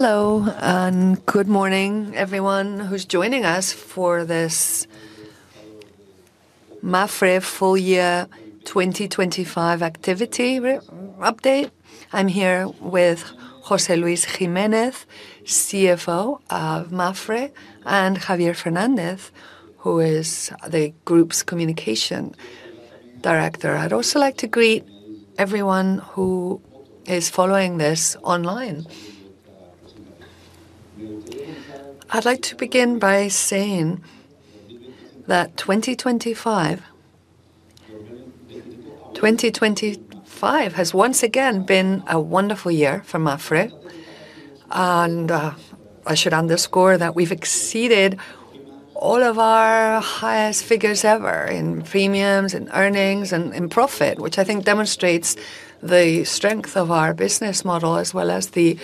Hello, and good morning, everyone who's joining us for this MAPFRE full year 2025 activity results update. I'm here with José Luis Jiménez, CFO of MAPFRE, and Javier Fernández, who is the group's communication director. I'd also like to greet everyone who is following this online. I'd like to begin by saying that 2025, 2025 has once again been a wonderful year for MAPFRE, and I should underscore that we've exceeded all of our highest figures ever in premiums, in earnings, and in profit, which I think demonstrates the strength of our business model, as well as the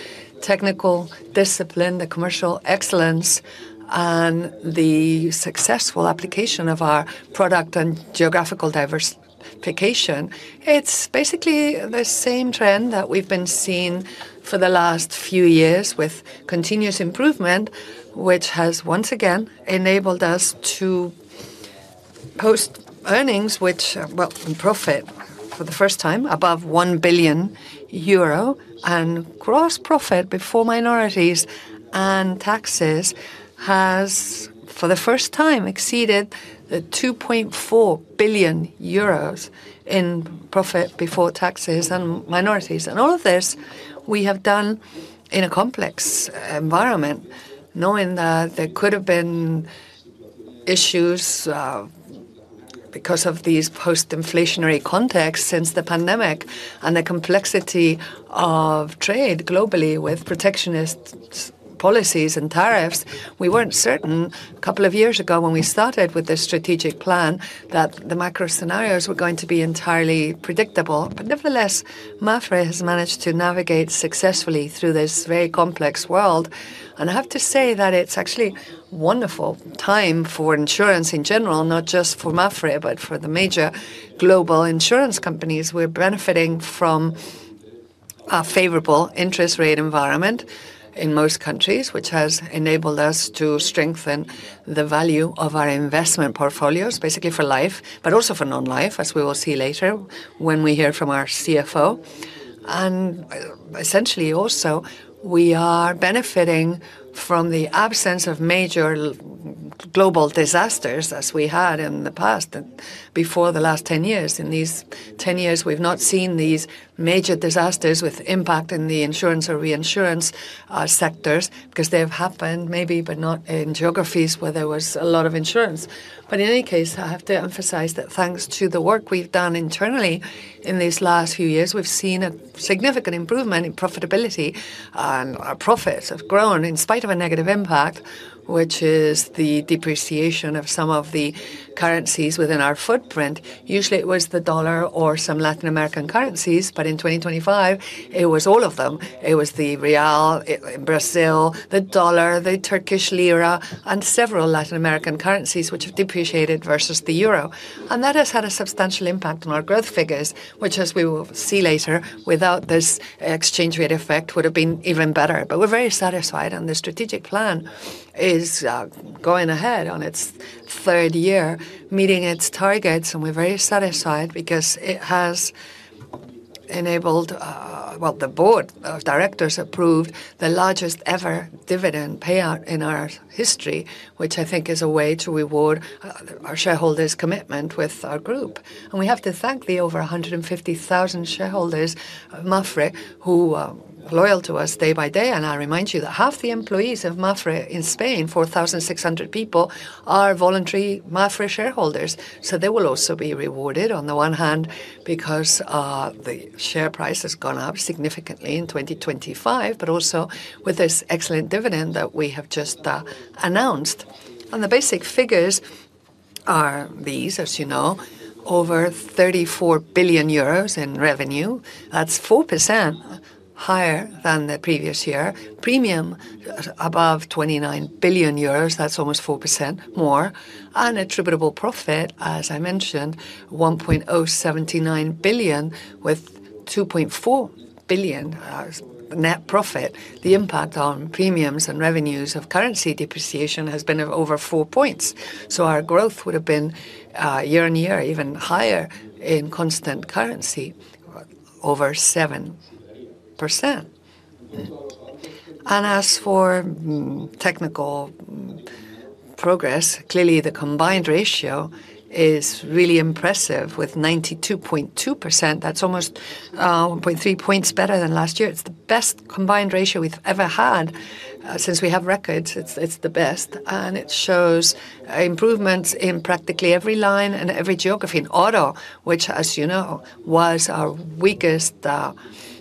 technical discipline, the commercial excellence, and the successful application of our product and geographical diversification. It's basically the same trend that we've been seeing for the last few years, with continuous improvement, which has once again enabled us to post earnings. Which well, in profit for the first time, above 1 billion euro, and gross profit before minorities and taxes has, for the first time, exceeded the 2.4 billion euros in profit before taxes and minorities. And all of this we have done in a complex environment, knowing that there could have been issues, because of these post-inflationary contexts since the pandemic and the complexity of trade globally with protectionist policies and tariffs. We weren't certain a couple of years ago when we started with this strategic plan, that the macro scenarios were going to be entirely predictable. But nevertheless, MAPFRE has managed to navigate successfully through this very complex world, and I have to say that it's actually wonderful time for insurance in general, not just for MAPFRE, but for the major global insurance companies. We're benefiting from a favorable interest rate environment in most countries, which has enabled us to strengthen the value of our investment portfolios, basically for life, but also for non-life, as we will see later when we hear from our CFO. Essentially, also, we are benefiting from the absence of major global disasters as we had in the past and before the last 10 years. In these 10 years, we've not seen these major disasters with impact in the insurance or reinsurance sectors, 'cause they have happened, maybe, but not in geographies where there was a lot of insurance. But in any case, I have to emphasize that thanks to the work we've done internally in these last few years, we've seen a significant improvement in profitability. And our profits have grown in spite of a negative impact, which is the depreciation of some of the currencies within our footprint. Usually, it was the dollar or some Latin American currencies, but in 2025, it was all of them. It was the real in Brazil, the dollar, the Turkish lira, and several Latin American currencies, which have depreciated versus the euro. And that has had a substantial impact on our growth figures, which, as we will see later, without this exchange rate effect, would have been even better. But we're very satisfied, and the strategic plan is going ahead on its third year, meeting its targets, and we're very satisfied because it has enabled. Well, the board of directors approved the largest-ever dividend payout in our history, which I think is a way to reward our shareholders' commitment with our group. And we have to thank the over 150,000 shareholders of MAPFRE, who are loyal to us day by day. And I remind you that half the employees of MAPFRE in Spain, 4,600 people, are voluntary MAPFRE shareholders. So they will also be rewarded, on the one hand, because the share price has gone up significantly in 2025, but also with this excellent dividend that we have just announced. And the basic figures are these, as you know: over 34 billion euros in revenue, that's 4% higher than the previous year. Premium, above 29 billion euros, that's almost 4% more. Attributable profit, as I mentioned, 1.079 billion, with 2.4 billion as net profit. The impact on premiums and revenues of currency depreciation has been over four points, so our growth would have been year-on-year even higher in constant currency, over 7%. As for technical progress, clearly, the Combined Ratio is really impressive, with 92.2%. That's almost 0.3 points better than last year. It's the best Combined Ratio we've ever had. Since we have records, it's the best, and it shows improvements in practically every line and every geography. In auto, which, as you know, was our weakest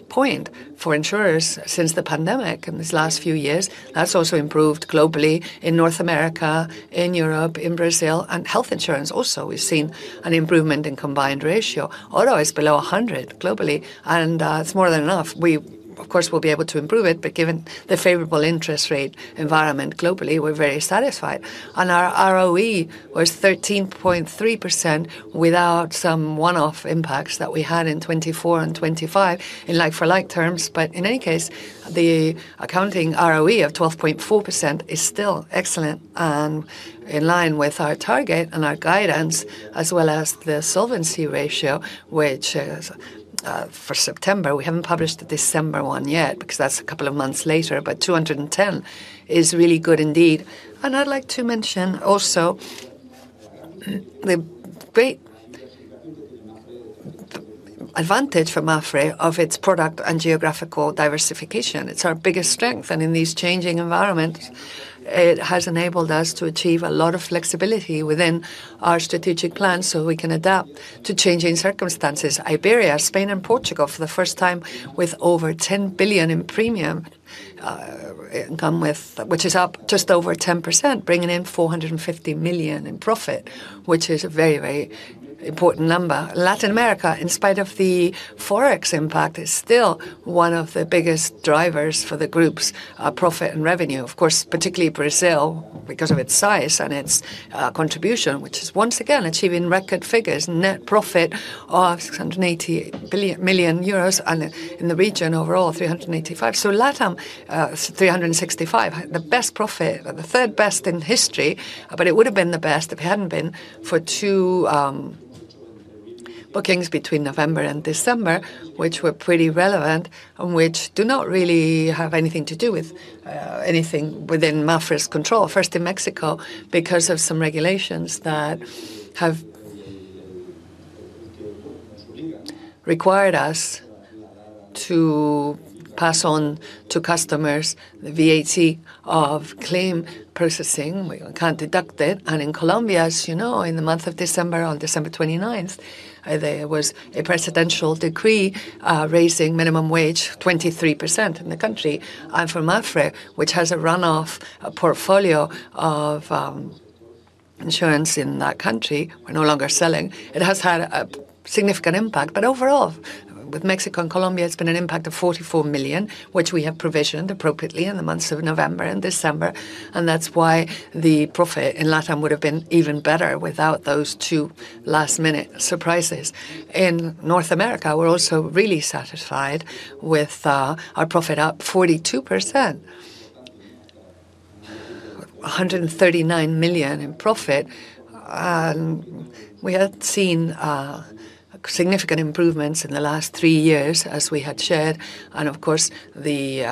point for insurers since the pandemic in these last few years, that's also improved globally in North America, in Europe, in Brazil, and health insurance also, we've seen an improvement in combined ratio. Auto is below 100 globally, and it's more than enough. Of course, we'll be able to improve it, but given the favorable interest rate environment globally, we're very satisfied. And our ROE was 13.3% without some one-off impacts that we had in 2024 and 2025 in like-for-like terms. But in any case, the accounting ROE of 12.4% is still excellent and in line with our target and our guidance, as well as the solvency ratio, which is for September. We haven't published the December one yet, because that's a couple of months later, but 210 is really good indeed. And I'd like to mention also, the great advantage for MAPFRE of its product and geographical diversification. It's our biggest strength, and in these changing environments, it has enabled us to achieve a lot of flexibility within our strategic plan, so we can adapt to changing circumstances. Iberia, Spain, and Portugal, for the first time, with over 10 billion in premium income, which is up just over 10%, bringing in 450 million in profit, which is a very, very important number. Latin America, in spite of the Forex impact, is still one of the biggest drivers for the group's profit and revenue. Of course, particularly Brazil, because of its size and its contribution, which is once again achieving record figures. Net profit of 680 million euros, and in the region overall, 385 million. So Latam, 365 million, the best profit, the third best in history, but it would have been the best if it hadn't been for two bookings between November and December, which were pretty relevant and which do not really have anything to do with anything within Mapfre's control. First, in Mexico, because of some regulations that have required us to pass on to customers the VAT of claim processing, we can't deduct it. And in Colombia, as you know, in the month of December, on 29 December, there was a presidential decree raising minimum wage 23% in the country. And for MAPFRE, which has a run-off, a portfolio of insurance in that country, we're no longer selling. It has had a significant impact, but overall, with Mexico and Colombia, it's been an impact of 44 million, which we have provisioned appropriately in the months of November and December, and that's why the profit in Latam would have been even better without those two last-minute surprises. In North America, we're also really satisfied with our profit up 42%. EUR 139 million in profit, and we had seen significant improvements in the last three years, as we had shared. And of course, the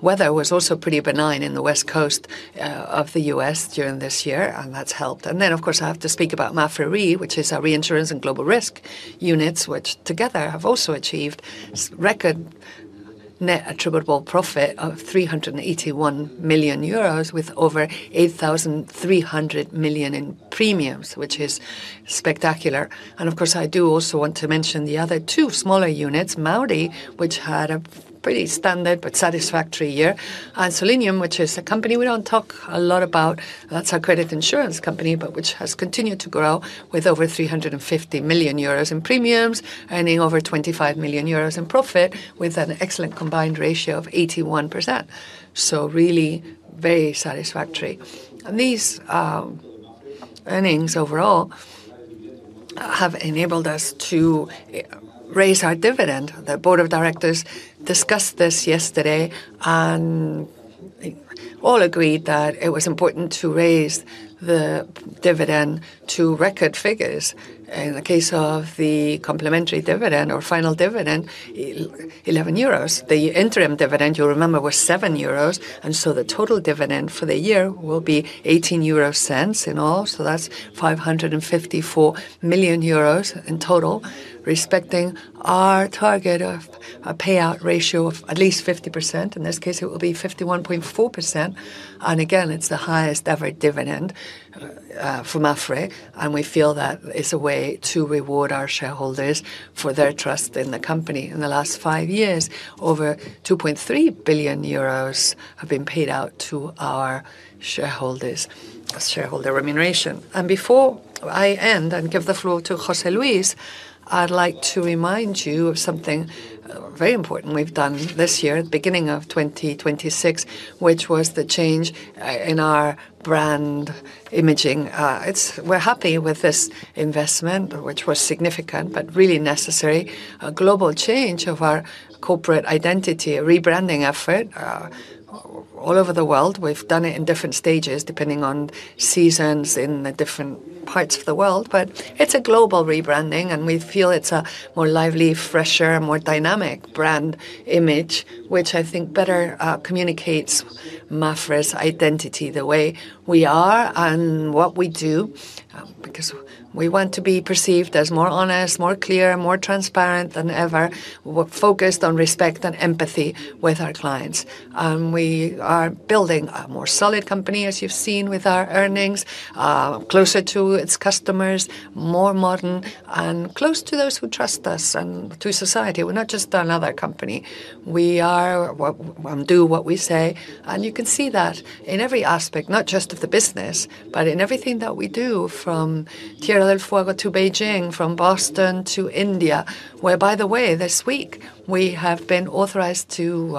weather was also pretty benign in the West Coast of the U.S. during this year, and that's helped. Then, of course, I have to speak about MAPFRE, which is our reinsurance and global risk units, which together have also achieved record net attributable profit of 381 million euros, with over 8,300 million in premiums, which is spectacular. Of course, I do also want to mention the other two smaller units, MAWDY, which had a pretty standard but satisfactory year, and Solunion, which is a company we don't talk a lot about. That's our credit insurance company, but which has continued to grow with over 350 million euros in premiums, earning over 25 million euros in profit, with an excellent combined ratio of 81%. Really very satisfactory. These, earnings overall have enabled us to, raise our dividend. The board of directors discussed this yesterday, and they all agreed that it was important to raise the dividend to record figures. In the case of the complementary dividend or final dividend, 11 euros. The interim dividend, you'll remember, was 7 euros, and so the total dividend for the year will be 18 euro cents in all. So that's 554 million euros in total, respecting our target of a payout ratio of at least 50%. In this case, it will be 51.4%, and again, it's the highest ever dividend for MAPFRE, and we feel that it's a way to reward our shareholders for their trust in the company. In the last five years, over 2.3 billion euros have been paid out to our shareholders as shareholder remuneration. Before I end and give the floor to José Luis, I'd like to remind you of something very important we've done this year, at the beginning of 2026, which was the change in our brand imaging. It's. We're happy with this investment, which was significant but really necessary. A global change of our corporate identity, a rebranding effort all over the world. We've done it in different stages, depending on seasons in the different parts of the world. But it's a global rebranding, and we feel it's a more lively, fresher, more dynamic brand image, which I think better communicates Mapfre's identity, the way we are and what we do, because we want to be perceived as more honest, more clear, and more transparent than ever. We're focused on respect and empathy with our clients. We are building a more solid company, as you've seen with our earnings, closer to its customers, more modern, and close to those who trust us and to society. We're not just another company. We are what we do what we say, and you can see that in every aspect, not just of the business, but in everything that we do, from Tierra del Fuego to Beijing, from Boston to India, where, by the way, this week, we have been authorized to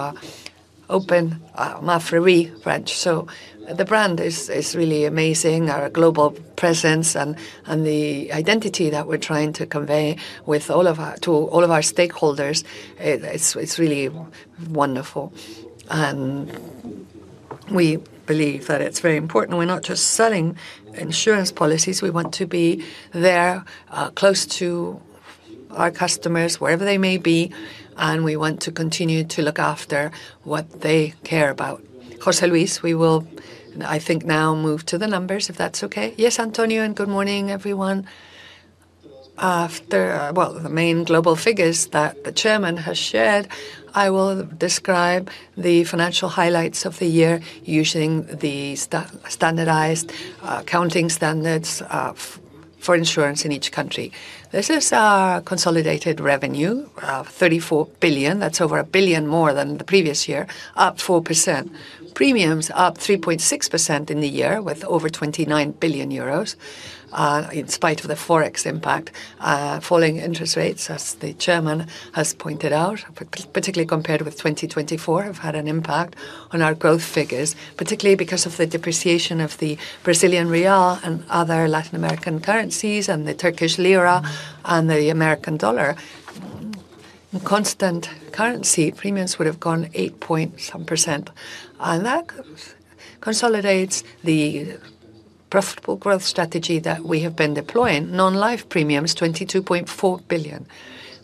open MAPFRE RE branch. So the brand is really amazing. Our global presence and the identity that we're trying to convey with all of our to all of our stakeholders, it's really wonderful. And we believe that it's very important. We're not just selling insurance policies, we want to be there, close to our customers, wherever they may be, and we want to continue to look after what they care about. José Luis, we will, I think, now move to the numbers, if that's okay? Yes, Antonio, and good morning, everyone. Well, the main global figures that the chairman has shared, I will describe the financial highlights of the year using the standardized accounting standards for insurance in each country. This is our consolidated revenue, 34 billion. That's over 1 billion more than the previous year, up 4%. Premiums, up 3.6% in the year, with over 29 billion euros, in spite of the Forex impact. Falling interest rates, as the chairman has pointed out, particularly compared with 2024, have had an impact on our growth figures, particularly because of the depreciation of the Brazilian real and other Latin American currencies, and the Turkish lira, and the American dollar. In constant currency, premiums would have gone 8.something%, and that consolidates the profitable growth strategy that we have been deploying. Non-life premiums, 22.4 billion,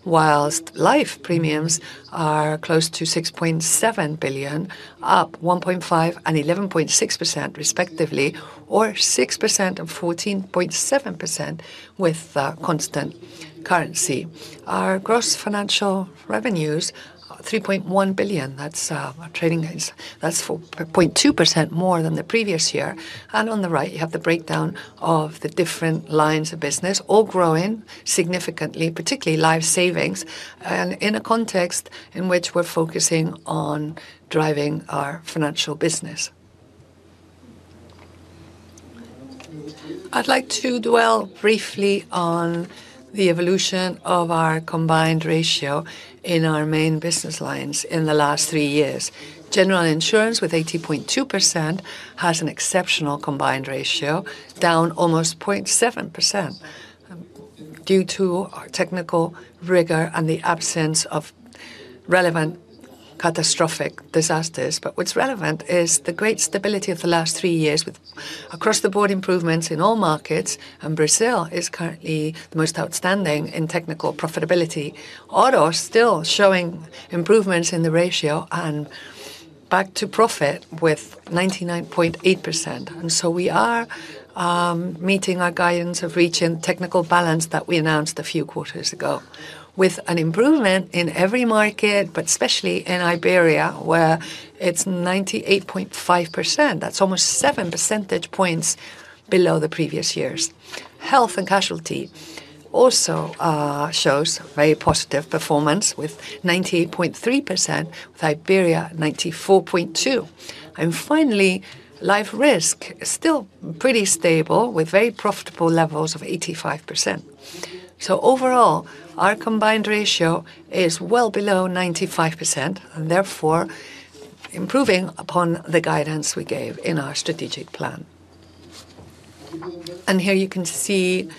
while life premiums are close to 6.7 billion, up 1.5% and 11.6% respectively, or 6% and 14.7% with constant currency. Our gross financial revenues, 3.1 billion. That's our trading gains. That's 4.2% more than the previous year. On the right, you have the breakdown of the different lines of business, all growing significantly, particularly life savings, and in a context in which we're focusing on driving our financial business. I'd like to dwell briefly on the evolution of our combined ratio in our main business lines in the last three years. General Insurance, with 80.2%, has an exceptional combined ratio, down almost 0.7%, due to our technical rigor and the absence of relevant catastrophic disasters. But what's relevant is the great stability of the last three years, with across-the-board improvements in all markets, and Brazil is currently the most outstanding in technical profitability. Auto still showing improvements in the ratio and back to profit with 99.8%. And so we are meeting our guidance of reaching technical balance that we announced a few quarters ago, with an improvement in every market, but especially in Iberia, where it's 98.5%. That's almost seven percentage points below the previous years. Health and casualty also shows very positive performance, with 98.3%, with Iberia 94.2. And finally, life risk is still pretty stable, with very profitable levels of 85%. So overall, our combined ratio is well below 95%, and therefore, improving upon the guidance we gave in our strategic plan. And here you can see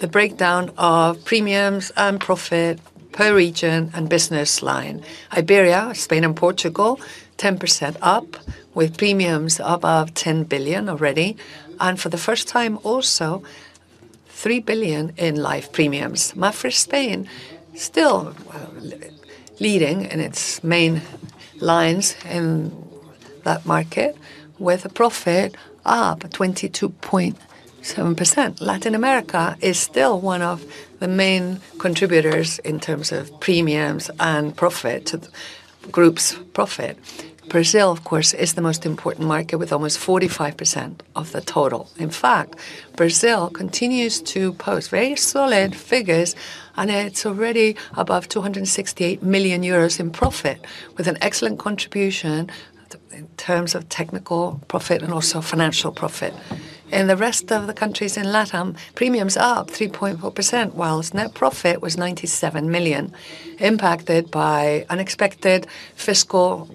the breakdown of premiums and profit per region and business line. Iberia, Spain and Portugal, 10% up, with premiums above 10 billion already, and for the first time, also, 3 billion in life premiums. MAPFRE Spain, still leading in its main lines in that market, with a profit up 22.7%. Latin America is still one of the main contributors in terms of premiums and profit, the group's profit. Brazil, of course, is the most important market, with almost 45% of the total. In fact, Brazil continues to post very solid figures, and it's already above 268 million euros in profit, with an excellent contribution in terms of technical profit and also financial profit. In the rest of the countries in Latam, premiums are up 3.4%, while net profit was 97 million, impacted by unexpected fiscal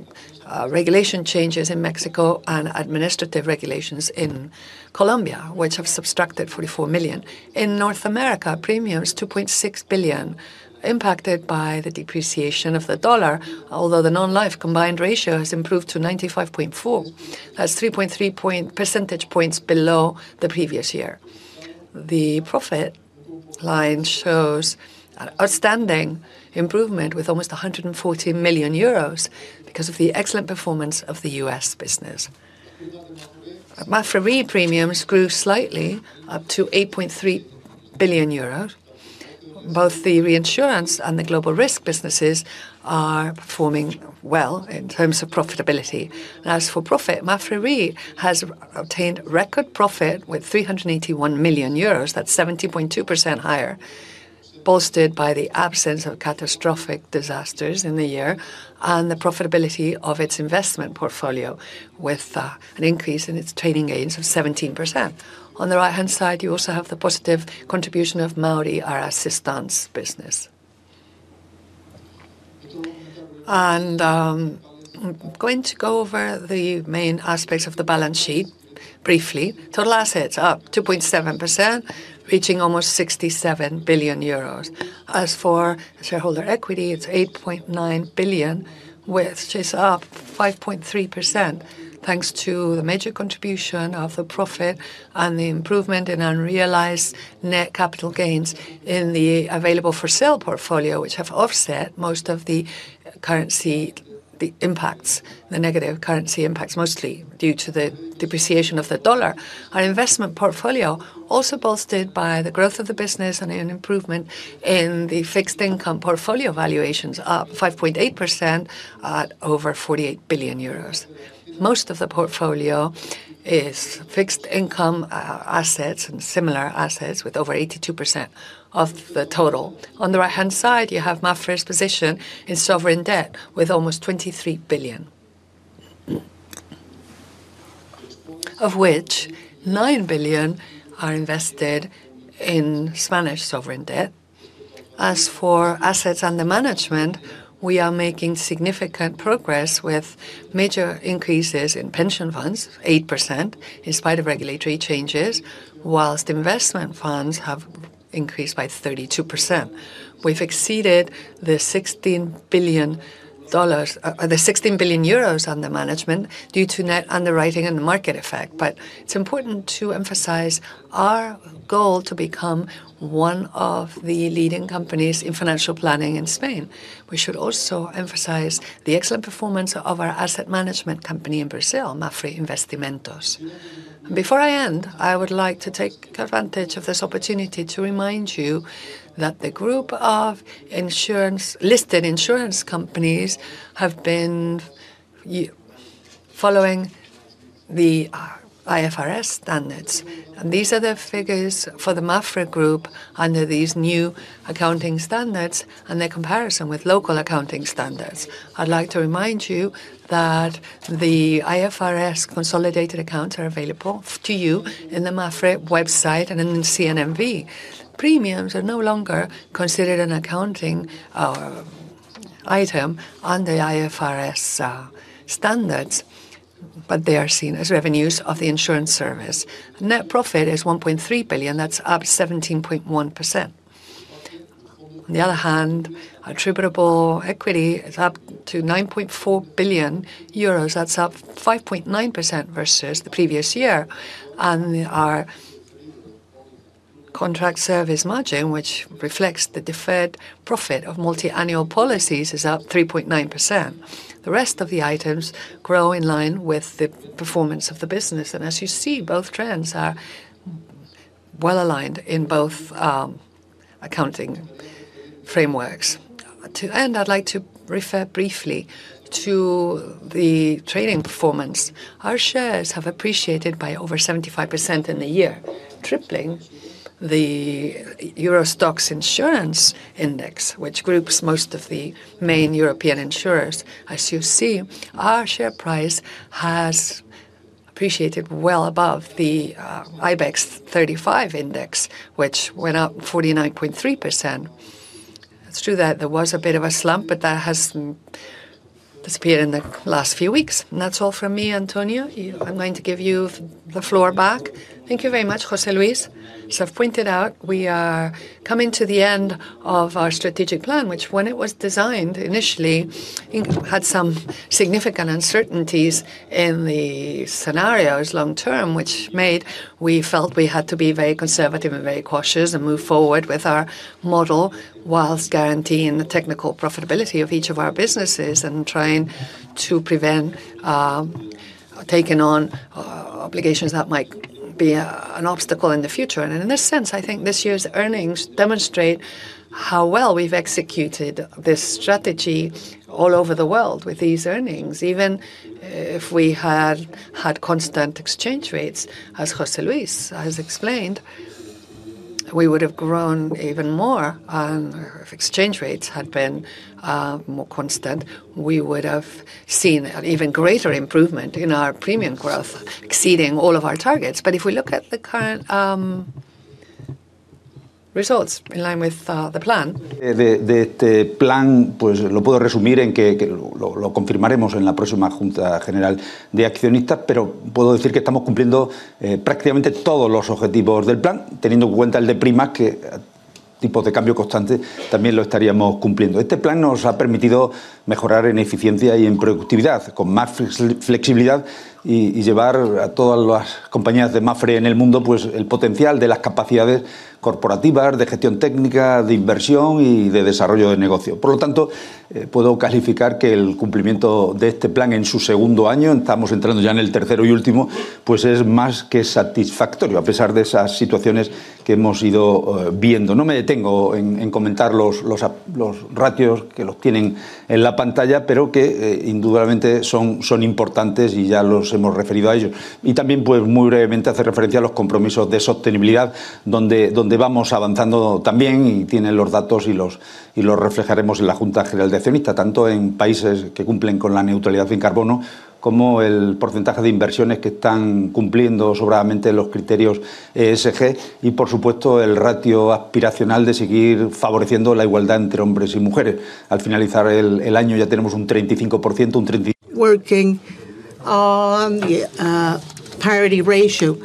regulation changes in Mexico and administrative regulations in Colombia, which have subtracted 44 million. In North America, premiums $2.6 billion, impacted by the depreciation of the dollar, although the non-life combined ratio has improved to 95.4. That's 3.3 percentage points below the previous year. The profit line shows an outstanding improvement, with almost 140 million euros because of the excellent performance of the U.S. business. MAPFRE RE premiums grew slightly, up to 8.3 billion euros. Both the reinsurance and the global risk businesses are performing well in terms of profitability. As for profit, MAPFRE RE has obtained record profit with 381 million euros. That's 70.2% higher, bolstered by the absence of catastrophic disasters in the year and the profitability of its investment portfolio, with an increase in its trading gains of 17%. On the right-hand side, you also have the positive contribution of MAWDY, our assistance business. I'm going to go over the main aspects of the balance sheet briefly. Total assets, up 2.7%, reaching almost 67 billion euros. As for shareholder equity, it's 8.9 billion, which is up 5.3%, thanks to the major contribution of the profit and the improvement in unrealized net capital gains in the available-for-sale portfolio, which have offset most of the currency, the impacts, the negative currency impacts, mostly due to the depreciation of the US dollar. Our investment portfolio, also bolstered by the growth of the business and an improvement in the fixed income portfolio valuations, up 5.8% at over 48 billion euros. Most of the portfolio is fixed income assets and similar assets, with over 82% of the total. On the right-hand side, you have MAPFRE's position in sovereign debt, with almost EUR 23 billion, of which 9 billion are invested in Spanish sovereign debt. As for assets under management, we are making significant progress, with major increases in pension funds, 8%, in spite of regulatory changes, while investment funds have increased by 32%. We've exceeded the 16 billion dollars, the 16 billion euros under management due to net underwriting and market effect. But it's important to emphasize our goal to become one of the leading companies in financial planning in Spain. We should also emphasize the excellent performance of our asset management company in Brazil, MAPFRE Investimentos. Before I end, I would like to take advantage of this opportunity to remind you that the group of insurance, listed insurance companies have been following the IFRS standards, and these are the figures for the MAPFRE Group under these new accounting standards and their comparison with local accounting standards. I'd like to remind you that the IFRS consolidated accounts are available to you in the MAPFRE website and in the CNMV. Premiums are no longer considered an accounting item on the IFRS standards, but they are seen as revenues of the insurance service. Net profit is 1.3 billion, that's up 17.1%. On the other hand, attributable equity is up to 9.4 billion euros, that's up 5.9% versus the previous year. Our Contract Service Margin, which reflects the deferred profit of multi-annual policies, is up 3.9%. The rest of the items grow in line with the performance of the business, and as you see, both trends are well aligned in both, accounting frameworks. To end, I'd like to refer briefly to the trading performance. Our shares have appreciated by over 75% in the year, tripling the EURO STOXX Insurance Index, which groups most of the main European insurers. As you see, our share price has appreciated well above the, IBEX 35 Index, which went up 49.3%. It's true that there was a bit of a slump, but that has disappeared in the last few weeks. And that's all from me, Antonio. You, I'm going to give you the floor back. Thank you very much, José Luis. As I've pointed out, we are coming to the end of our strategic plan, which, when it was designed initially, it had some significant uncertainties in the scenarios long term, which made we felt we had to be very conservative and very cautious, and move forward with our model, while guaranteeing the technical profitability of each of our businesses and trying to prevent taking on obligations that might be an obstacle in the future. In this sense, I think this year's earnings demonstrate how well we've executed this strategy all over the world with these earnings. Even if we had had constant exchange rates, as José Luis has explained, we would have grown even more, if exchange rates had been more constant, we would have seen an even greater improvement in our premium growth, exceeding all of our targets. But if we look at the current results in line with the plan. Working on the parity ratio.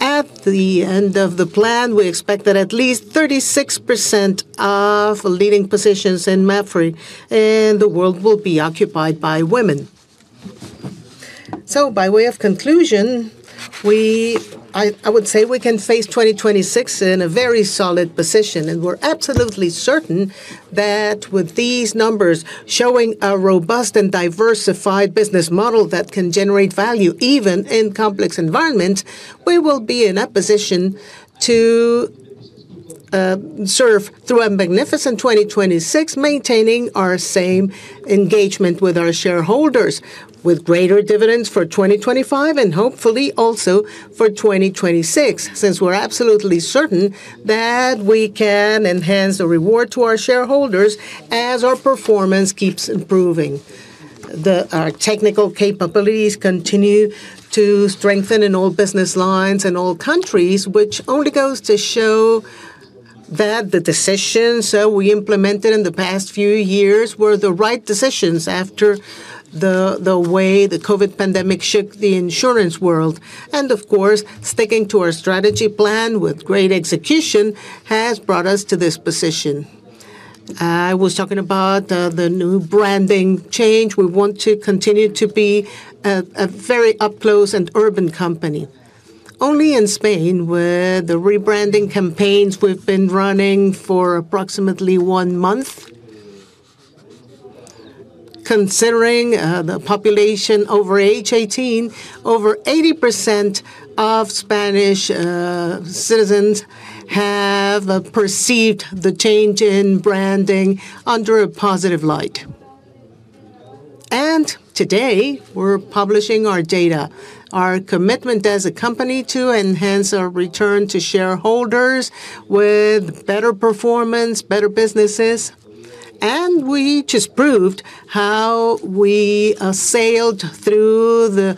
At the end of the plan, we expect that at least 36% of leading positions in MAPFRE in the world will be occupied by women. So by way of conclusion, we, I would say we can face 2026 in a very solid position, and we're absolutely certain that with these numbers showing a robust and diversified business model that can generate value even in complex environments, we will be in a position to serve through a magnificent 2026, maintaining our same engagement with our shareholders, with greater dividends for 2025, and hopefully also for 2026, since we're absolutely certain that we can enhance the reward to our shareholders as our performance keeps improving. The technical capabilities continue to strengthen in all business lines in all countries, which only goes to show that the decisions that we implemented in the past few years were the right decisions after the way the COVID pandemic shook the insurance world. And of course, sticking to our strategy plan with great execution has brought us to this position. I was talking about the new branding change. We want to continue to be a very up-close and urban company. Only in Spain, where the rebranding campaigns we've been running for approximately one month, considering the population over age 18, over 80% of Spanish citizens have perceived the change in branding under a positive light. Today, we're publishing our data, our commitment as a company to enhance our return to shareholders with better performance, better businesses, and we just proved how we sailed through the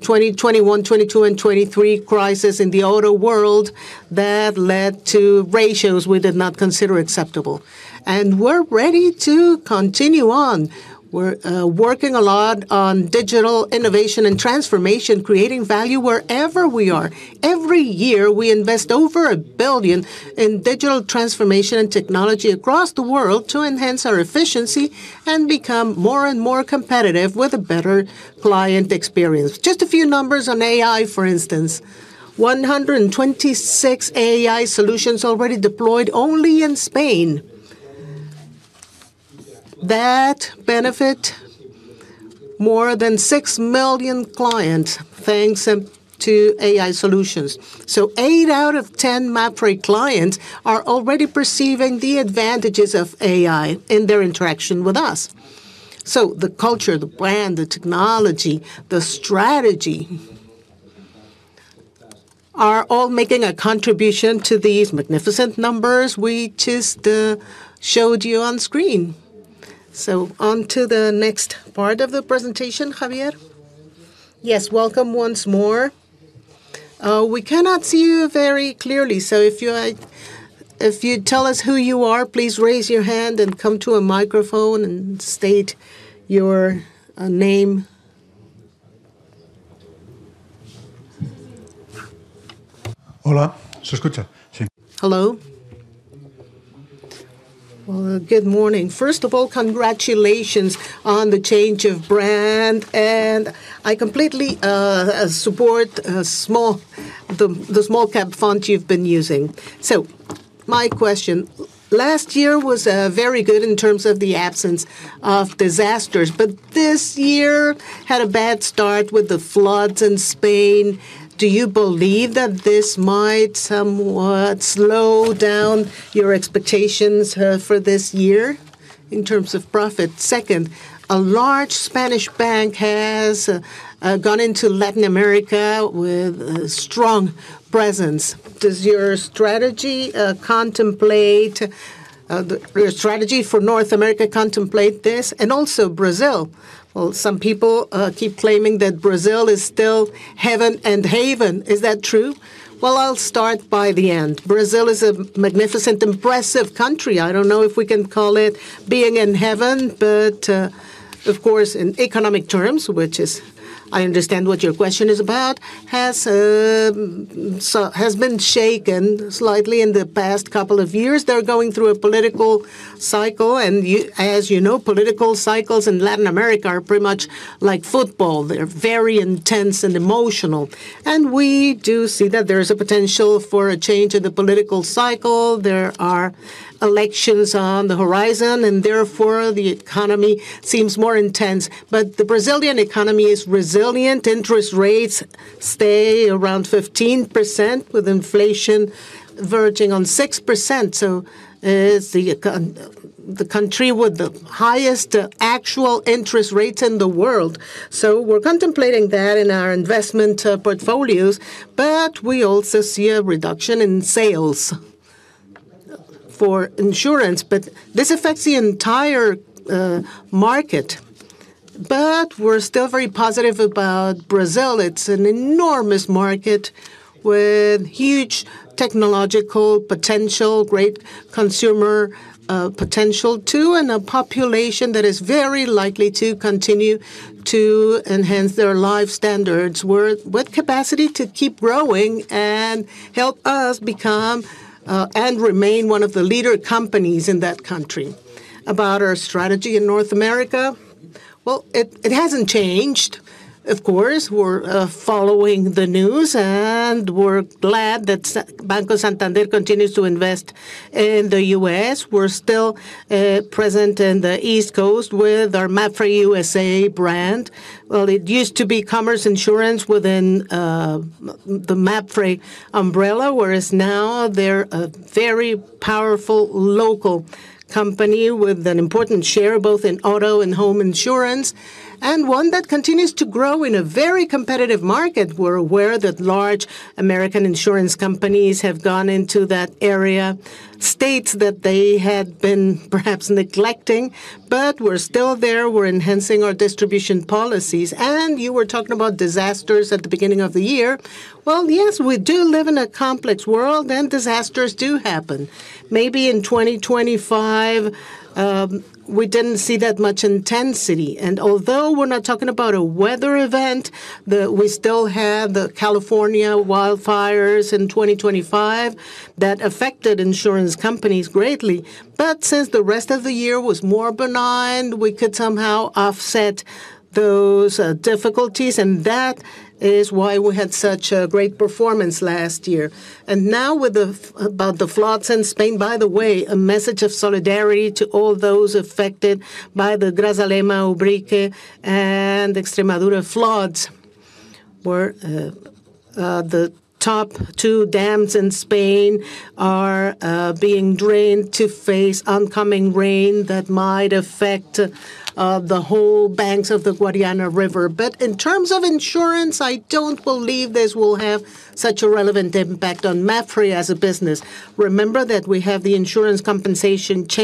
2021, 2022, and 2023 crisis in the auto world that led to ratios we did not consider acceptable. We're ready to continue on. We're working a lot on digital innovation and transformation, creating value wherever we are. Every year, we invest over 1 billion in digital transformation and technology across the world to enhance our efficiency and become more and more competitive with a better client experience. Just a few numbers on AI, for instance, 126 AI solutions already deployed only in Spain. That benefit more than 6 million clients, thanks to AI solutions. Eight out of ten MAPFRE clients are already perceiving the advantages of AI in their interaction with us. The culture, the brand, the technology, the strategy are all making a contribution to these magnificent numbers we just showed you on screen. On to the next part of the presentation, Javier? Yes, welcome once more. We cannot see you very clearly, so if you'd tell us who you are, please raise your hand and come to a microphone and state your name. Hello? Well, good morning. First of all, congratulations on the change of brand, and I completely support the small cap font you've been using. So my question, last year was very good in terms of the absence of disasters, but this year had a bad start with the floods in Spain. Do you believe that this might somewhat slow down your expectations for this year in terms of profit? Second, a large Spanish bank has gone into Latin America with a strong presence. Does your strategy for North America contemplate this? And also Brazil. Well, some people keep claiming that Brazil is still heaven and haven. Is that true? Well, I'll start by the end. Brazil is a magnificent, impressive country. I don't know if we can call it being in heaven, but, of course, in economic terms, which is, I understand what your question is about, has been shaken slightly in the past couple of years. They're going through a political cycle, and as you know, political cycles in Latin America are pretty much like football. They're very intense and emotional, and we do see that there is a potential for a change in the political cycle. There are elections on the horizon, and therefore, the economy seems more intense. But the Brazilian economy is resilient. Interest rates stay around 15%, with inflation verging on 6%, so, it's the country with the highest actual interest rates in the world. So we're contemplating that in our investment portfolios, but we also see a reduction in sales for insurance, but this affects the entire market. But we're still very positive about Brazil. It's an enormous market with huge technological potential, great consumer potential too, and a population that is very likely to continue to enhance their life standards. We're with capacity to keep growing and help us become and remain one of the leader companies in that country. About our strategy in North America, well, it hasn't changed. Of course, we're following the news, and we're glad that Banco Santander continues to invest in the U.S. We're still present in the East Coast with our MAPFRE USA brand. Well, it used to be Commerce Insurance within, the MAPFRE umbrella, whereas now they're a very powerful local company with an important share, both in auto and home insurance, and one that continues to grow in a very competitive market. We're aware that large American insurance companies have gone into that area, states that they had been perhaps neglecting. But we're still there. We're enhancing our distribution policies. And you were talking about disasters at the beginning of the year. Well, yes, we do live in a complex world, and disasters do happen. Maybe in 2025, we didn't see that much intensity, and although we're not talking about a weather event, we still had the California wildfires in 2025 that affected insurance companies greatly. But since the rest of the year was more benign, we could somehow offset those difficulties, and that is why we had such a great performance last year. And now about the floods in Spain. By the way, a message of solidarity to all those affected by the Grazalema, Ubrique, and Extremadura floods, where the top two dams in Spain are being drained to face oncoming rain that might affect the whole banks of the Guadiana River. But in terms of insurance, I don't believe this will have such a relevant impact on MAPFRE as a business. Remember that we have the Insurance Compensation Consortium,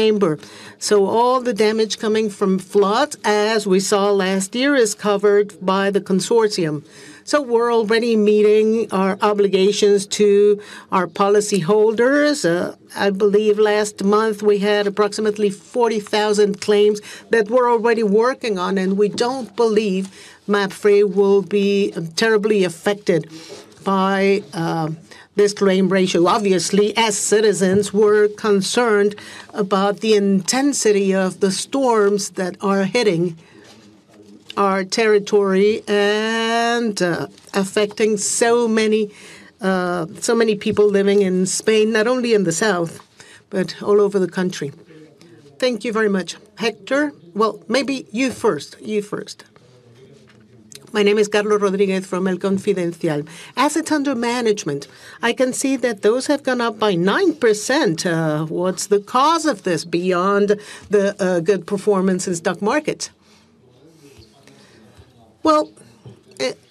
so all the damage coming from floods, as we saw last year, is covered by the consortium. So we're already meeting our obligations to our policyholders. I believe last month we had approximately 40,000 claims that we're already working on, and we don't believe MAPFRE will be terribly affected by this claim ratio. Obviously, as citizens, we're concerned about the intensity of the storms that are hitting our territory and affecting so many people living in Spain, not only in the south, but all over the country. Thank you very much. Hector? Well, maybe you first. You first. My name is Carlos Rodriguez from El Confidencial. Assets under management, I can see that those have gone up by 9%. What's the cause of this, beyond the good performance in stock market? Well,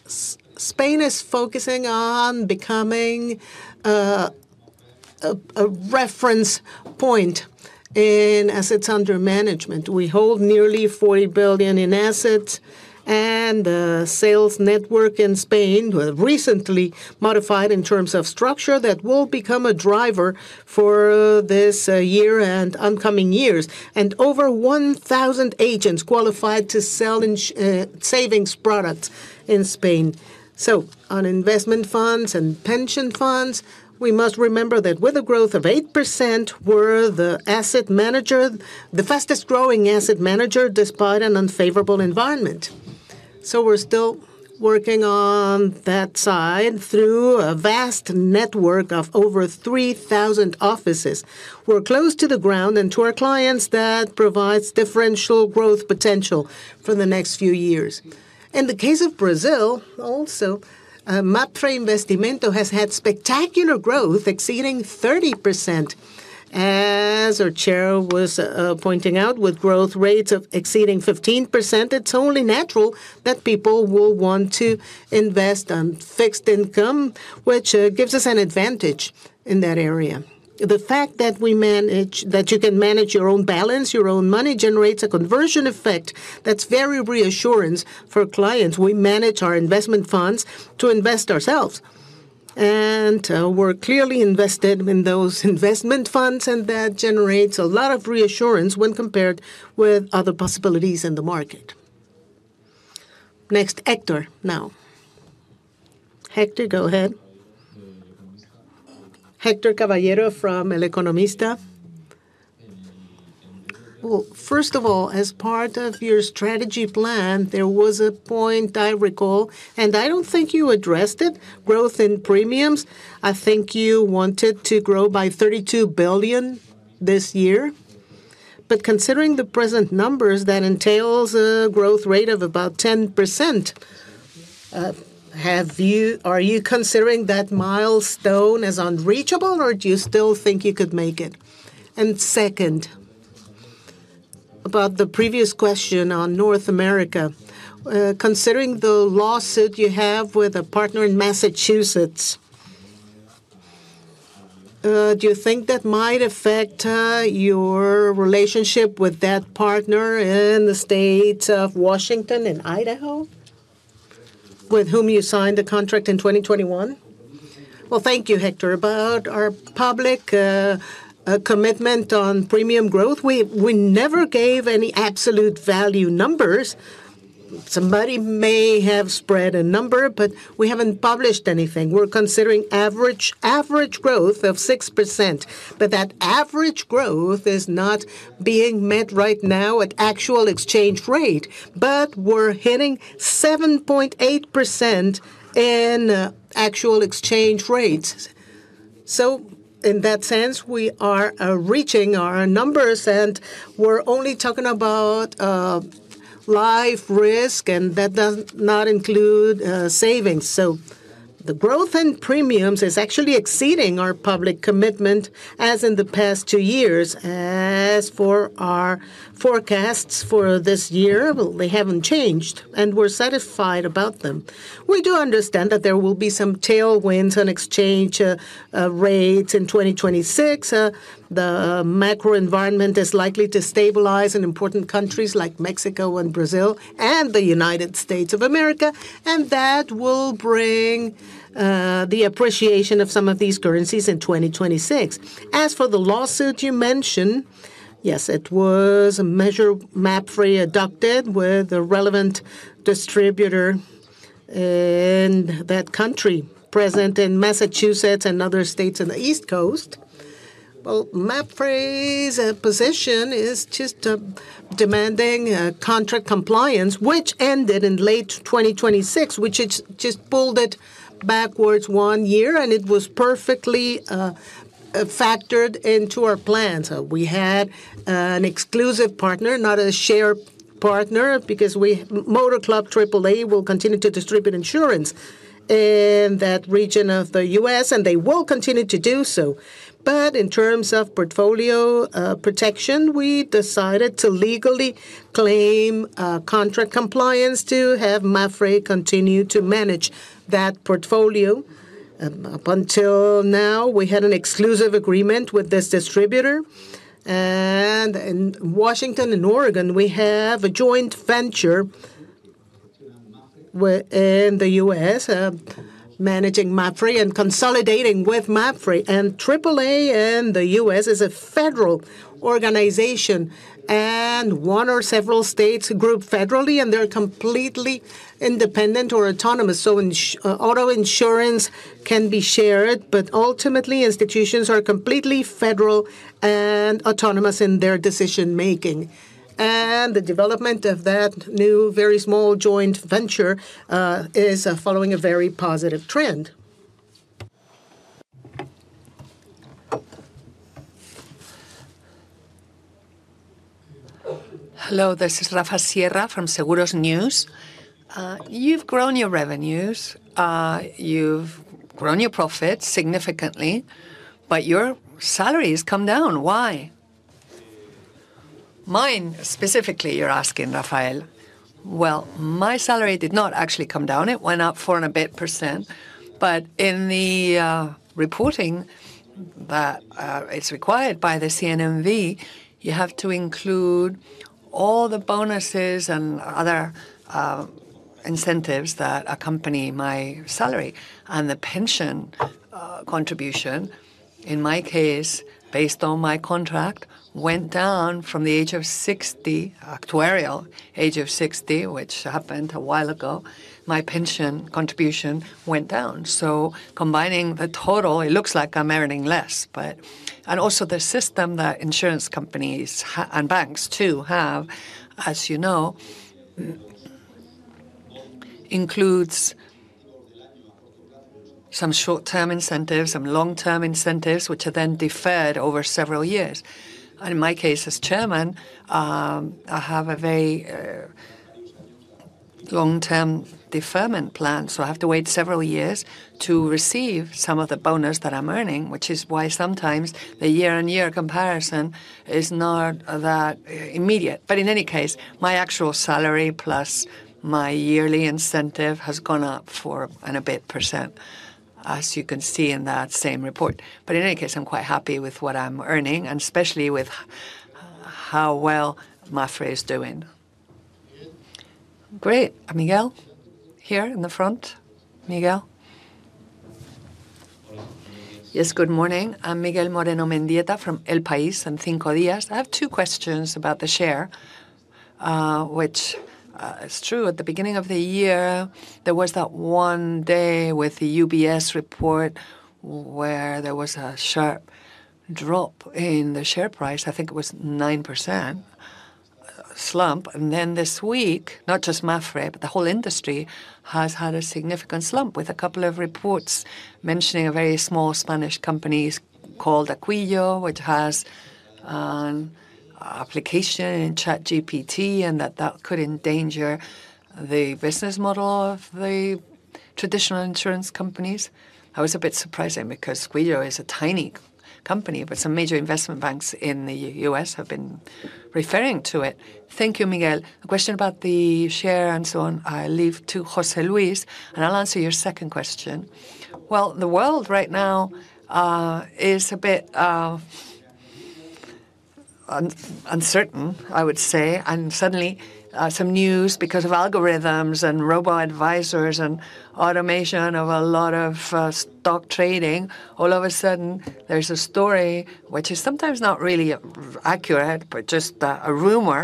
Spain is focusing on becoming a reference point in assets under management. We hold nearly 40 billion in assets, and sales network in Spain were recently modified in terms of structure that will become a driver for this year and oncoming years, and over 1,000 agents qualified to sell insurance savings products in Spain. So on investment funds and pension funds, we must remember that with a growth of 8%, we're the fastest-growing asset manager, despite an unfavorable environment. So we're still working on that side through a vast network of over 3,000 offices. We're close to the ground and to our clients. That provides differential growth potential for the next few years. In the case of Brazil, also, MAPFRE Investimentos has had spectacular growth, exceeding 30%. As our chair was pointing out, with growth rates exceeding 15%, it's only natural that people will want to invest on fixed income, which gives us an advantage in that area. The fact that you can manage your own balance, your own money, generates a conversion effect that's very reassuring for clients. We manage our investment funds to invest ourselves, and we're clearly invested in those investment funds, and that generates a lot of reassurance when compared with other possibilities in the market. Next, Hector. Now, Hector, go ahead. Hector Caballero from El Economista. Well, first of all, as part of your strategy plan, there was a point I recall, and I don't think you addressed it, growth in premiums. I think you wanted to grow by 32 billion this year. But considering the present numbers, that entails a growth rate of about 10%. Have you are you considering that milestone as unreachable, or do you still think you could make it? And second about the previous question on North America. Considering the lawsuit you have with a partner in Massachusetts, do you think that might affect your relationship with that partner in the state of Washington and Idaho, with whom you signed a contract in 2021? Well, thank you, Hector. About our public commitment on premium growth, we never gave any absolute value numbers. Somebody may have spread a number, but we haven't published anything. We're considering average growth of 6%, but that average growth is not being met right now at actual exchange rate, but we're hitting 7.8% in actual exchange rates. So in that sense, we are reaching our numbers, and we're only talking about life risk, and that does not include savings. So the growth in premiums is actually exceeding our public commitment, as in the past two years. As for our forecasts for this year, well, they haven't changed, and we're satisfied about them. We do understand that there will be some tailwinds and exchange rates in 2026. The macro environment is likely to stabilize in important countries like Mexico and Brazil, and the United States of America, and that will bring the appreciation of some of these currencies in 2026. As for the lawsuit you mentioned, yes, it was a measure MAPFRE adopted with a relevant distributor in that country, present in Massachusetts and other states on the East Coast. Well, Mapfre's position is just demanding contract compliance, which ended in late 2026, which it just pulled it backwards one year, and it was perfectly factored into our plans. We had an exclusive partner, not a shared partner, because we Motor Club AAA will continue to distribute insurance in that region of the U.S., and they will continue to do so. But in terms of portfolio protection, we decided to legally claim contract compliance to have Mapfre continue to manage that portfolio. Up until now, we had an exclusive agreement with this distributor. In Washington and Oregon, we have a joint venture with in the U.S. managing Mapfre and consolidating with Mapfre. AAA in the U.S. is a federal organization, and one or several states group federally, and they're completely independent or autonomous. So auto insurance can be shared, but ultimately, institutions are completely federal and autonomous in their decision-making. And the development of that new, very small joint venture is following a very positive trend. Hello, this is Rafa Sierra from Seguros News. You've grown your revenues, you've grown your profits significantly, but your salary has come down. Why? Mine specifically, you're asking, Rafael. Well, my salary did not actually come down. It went up 4% and a bit. But in the reporting that is required by the CNMV, you have to include all the bonuses and other incentives that accompany my salary. And the pension contribution, in my case, based on my contract, went down from the age of 60, actuarial age of 60, which happened a while ago. My pension contribution went down. So combining the total, it looks like I'm earning less, but and also, the system that insurance companies and banks, too, have, as you know, includes some short-term incentives, some long-term incentives, which are then deferred over several years. In my case, as chairman, I have a very long-term deferment plan, so I have to wait several years to receive some of the bonus that I'm earning, which is why sometimes the year-on-year comparison is not that immediate. But in any case, my actual salary plus my yearly incentive has gone up 4 and a bit%, as you can see in that same report. But in any case, I'm quite happy with what I'm earning, and especially with how well MAPFRE is doing. Great. Miguel, here in the front. Miguel? Yes, good morning. I'm Miguel Moreno Mendieta from El País and Cinco Días. I have two questions about the share. Which is true, at the beginning of the year, there was that one day with the UBS report, where there was a sharp drop in the share price. I think it was 9% slump. Then this week, not just MAPFRE, but the whole industry, has had a significant slump, with a couple of reports mentioning a very small Spanish companies called Tuio, which has an application in ChatGPT, and that that could endanger the business model of the traditional insurance companies. I was a bit surprised because Tuio is a tiny company, but some major investment banks in the U.S. have been referring to it. Thank you, Miguel. The question about the share and so on, I leave to José Luis, and I'll answer your second question. Well, the world right now is a bit uncertain, I would say, and suddenly some news because of algorithms and robo-advisors and automation of a lot of stock trading, all of a sudden there's a story which is sometimes not really accurate, but just a rumor.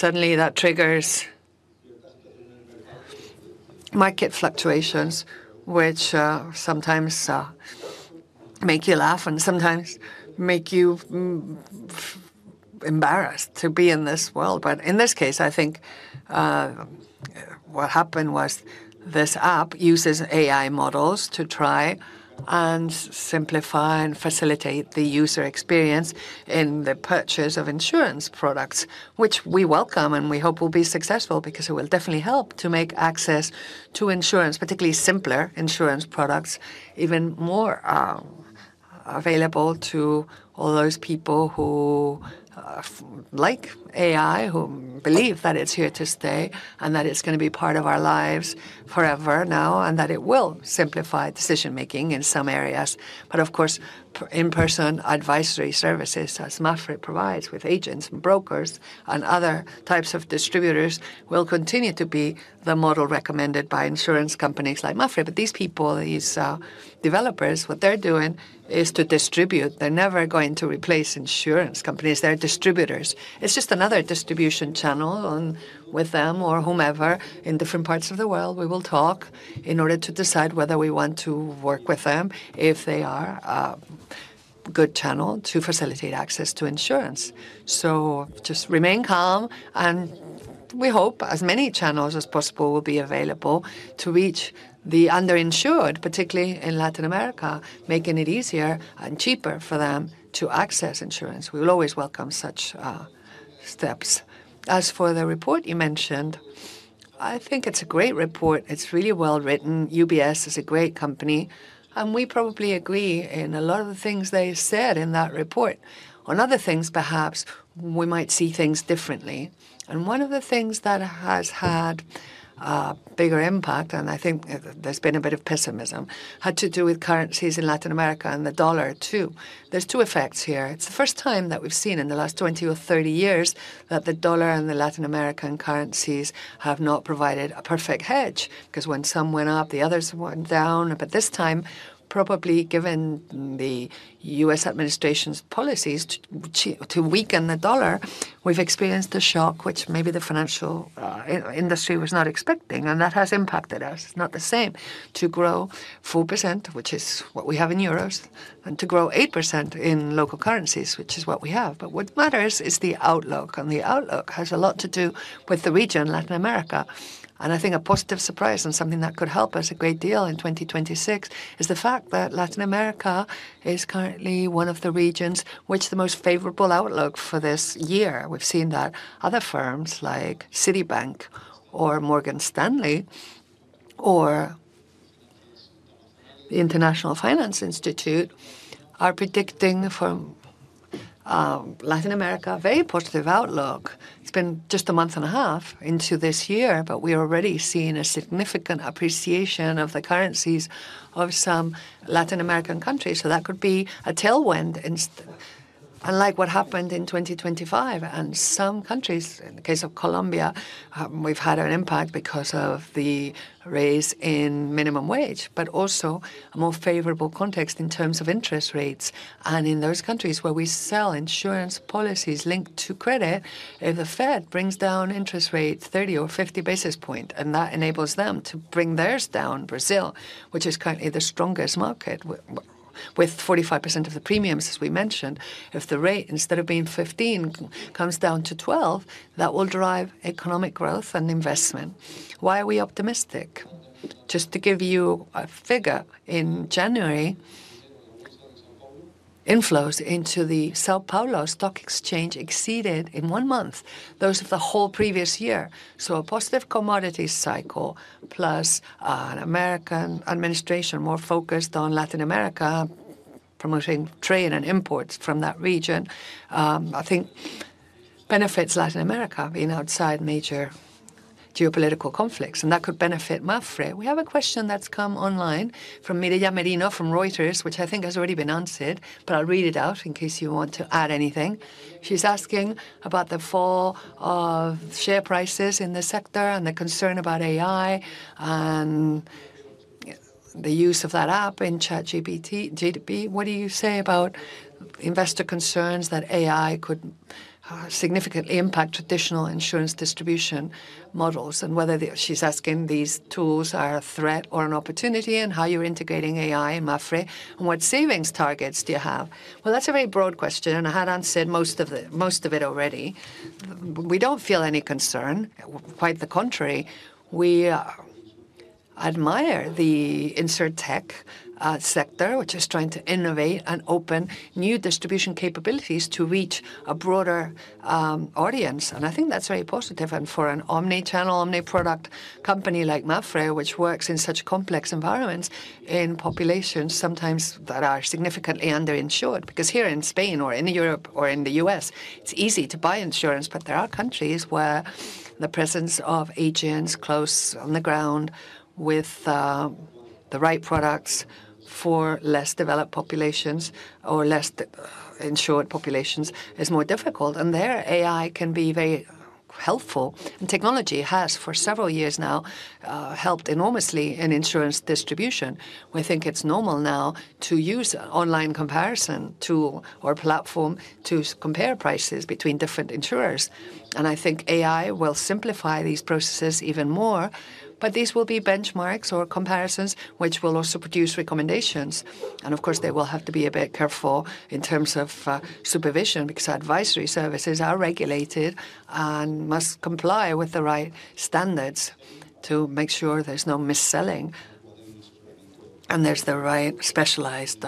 Suddenly, that triggers market fluctuations, which sometimes make you laugh and sometimes make you embarrassed to be in this world. But in this case, I think, what happened was this app uses AI models to try and simplify and facilitate the user experience in the purchase of insurance products, which we welcome and we hope will be successful because it will definitely help to make access to insurance, particularly simpler insurance products, even more, available to all those people who, like AI, who believe that it's here to stay. And that it's gonna be part of our lives forever now, and that it will simplify decision-making in some areas. But of course, in-person advisory services, as MAPFRE provides with agents and brokers and other types of distributors, will continue to be the model recommended by insurance companies like MAPFRE. But these people, these, developers, what they're doing is to distribute. They're never going to replace insurance companies. They're distributors. It's just another distribution channel, and with them or whomever in different parts of the world, we will talk in order to decide whether we want to work with them if they are a good channel to facilitate access to insurance. So just remain calm, and we hope as many channels as possible will be available to reach the underinsured, particularly in Latin America, making it easier and cheaper for them to access insurance. We will always welcome such steps. As for the report you mentioned, I think it's a great report. It's really well-written. UBS is a great company, and we probably agree in a lot of the things they said in that report. On other things, perhaps we might see things differently. And one of the things that has had a bigger impact, and I think there, there's been a bit of pessimism, had to do with currencies in Latin America and the dollar, too. There's two effects here. It's the first time that we've seen in the last 20 or 30 years that the dollar and the Latin American currencies have not provided a perfect hedge, 'cause when some went up, the others went down. But this time, probably given the U.S. administration's policies to weaken the dollar, we've experienced a shock which maybe the financial industry was not expecting, and that has impacted us. It's not the same to grow 4%, which is what we have in euros, and to grow 8% in local currencies, which is what we have. But what matters is the outlook, and the outlook has a lot to do with the region, Latin America. And I think a positive surprise and something that could help us a great deal in 2026, is the fact that Latin America is currently one of the regions which the most favorable outlook for this year. We've seen that other firms like Citibank or Morgan Stanley or the Institute of International Finance, are predicting from Latin America, a very positive outlook. It's been just a month and a half into this year, but we're already seeing a significant appreciation of the currencies of some Latin American countries, so that could be a tailwind unlike what happened in 2025. Some countries, in the case of Colombia, we've had an impact because of the raise in minimum wage, but also a more favorable context in terms of interest rates. In those countries where we sell insurance policies linked to credit, if the Fed brings down interest rates 30 or 50 basis point, and that enables them to bring theirs down, Brazil, which is currently the strongest market with 45% of the premiums, as we mentioned, if the rate, instead of being 15, comes down to 12, that will drive economic growth and investment. Why are we optimistic? Just to give you a figure, in January, inflows into the São Paulo Stock Exchange exceeded, in one month, those of the whole previous year. So a positive commodity cycle, plus, an American administration more focused on Latin America, promoting trade and imports from that region, I think benefits Latin America in outside major geopolitical conflicts, and that could benefit MAPFRE. We have a question that's come online from Mireia Merino from Reuters, which I think has already been answered, but I'll read it out in case you want to add anything. She's asking about the fall of share prices in the sector and the concern about AI, and, the use of that app in ChatGPT. What do you say about investor concerns that AI could, significantly impact traditional insurance distribution models? And whether the she's asking, these tools are a threat or an opportunity, and how you're integrating AI in MAPFRE, and what savings targets do you have? Well, that's a very broad question, and I had answered most of it, most of it already. We don't feel any concern. Quite the contrary, we, I admire the InsurTech sector, which is trying to innovate and open new distribution capabilities to reach a broader audience, and I think that's very positive. And for an omni-channel, omni-product company like MAPFRE, which works in such complex environments in populations sometimes that are significantly under-insured. Because here in Spain or in Europe or in the U.S., it's easy to buy insurance, but there are countries where the presence of agents close on the ground with the right products for less developed populations or less under-insured populations is more difficult, and there AI can be very helpful. And technology has, for several years now, helped enormously in insurance distribution. We think it's normal now to use online comparison tool or platform to compare prices between different insurers, and I think AI will simplify these processes even more. But these will be benchmarks or comparisons which will also produce recommendations, and of course, they will have to be a bit careful in terms of, supervision because advisory services are regulated and must comply with the right standards to make sure there's no mis-selling, and there's the right specialized,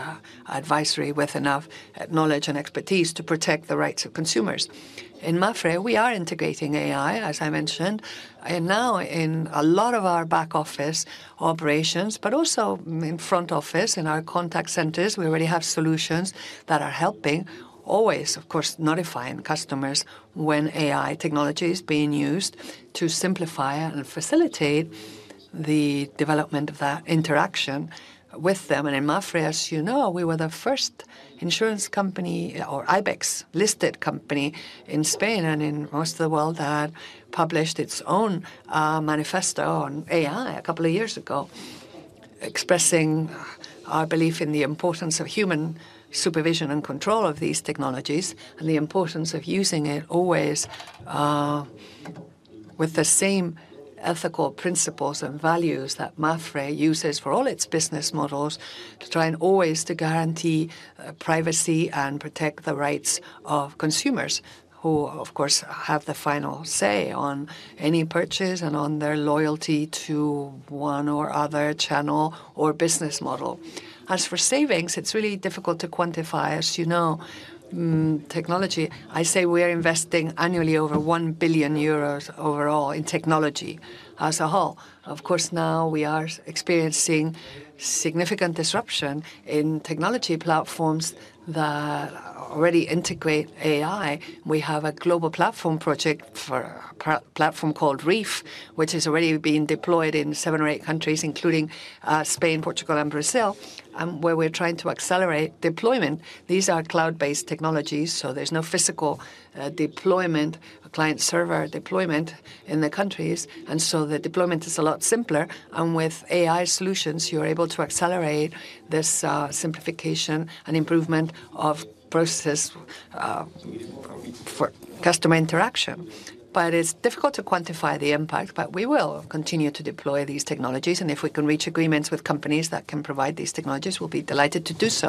advisory with enough knowledge and expertise to protect the rights of consumers. In MAPFRE, we are integrating AI, as I mentioned, and now in a lot of our back-office operations, but also in front office. In our contact centers, we already have solutions that are helping, always of course, notifying customers when AI technology is being used to simplify and facilitate the development of that interaction with them. In MAPFRE, as you know, we were the first insurance company or IBEX-listed company in Spain and in most of the world that published its own manifesto on AI a couple of years ago, expressing our belief in the importance of human supervision and control of these technologies, and the importance of using it always with the same ethical principles and values that MAPFRE uses for all its business models, to try and always to guarantee privacy and protect the rights of consumers, who, of course, have the final say on any purchase and on their loyalty to one or other channel or business model. As for savings, it's really difficult to quantify. As you know technology, I say we are investing annually over 1 billion euros overall in technology as a whole. Of course, now we are experiencing significant disruption in technology platforms that already integrate AI. We have a global platform project for a platform called Reef, which is already being deployed in seven or eight countries, including Spain, Portugal, and Brazil, and where we're trying to accelerate deployment. These are cloud-based technologies, so there's no physical deployment or client-server deployment in the countries, and so the deployment is a lot simpler. And with AI solutions, you're able to accelerate this simplification and improvement of processes for customer interaction. But it's difficult to quantify the impact, but we will continue to deploy these technologies, and if we can reach agreements with companies that can provide these technologies, we'll be delighted to do so.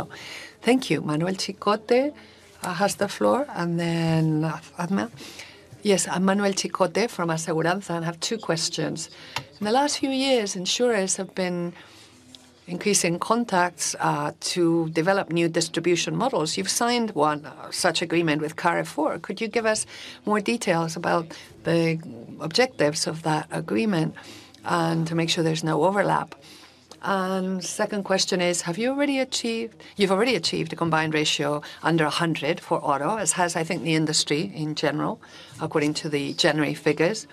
Thank you. Manuel Chicote has the floor, and then Adma. Yes, I'm Manuel Chicote from Aseguranza, and I have two questions. In the last few years, insurers have been increasing contacts to develop new distribution models. You've signed one such agreement with Carrefour. Could you give us more details about the objectives of that agreement and to make sure there's no overlap? And second question is, have you already achieved you've already achieved a combined ratio under 100 for auto, as has, I think, the industry in general, according to the January figures.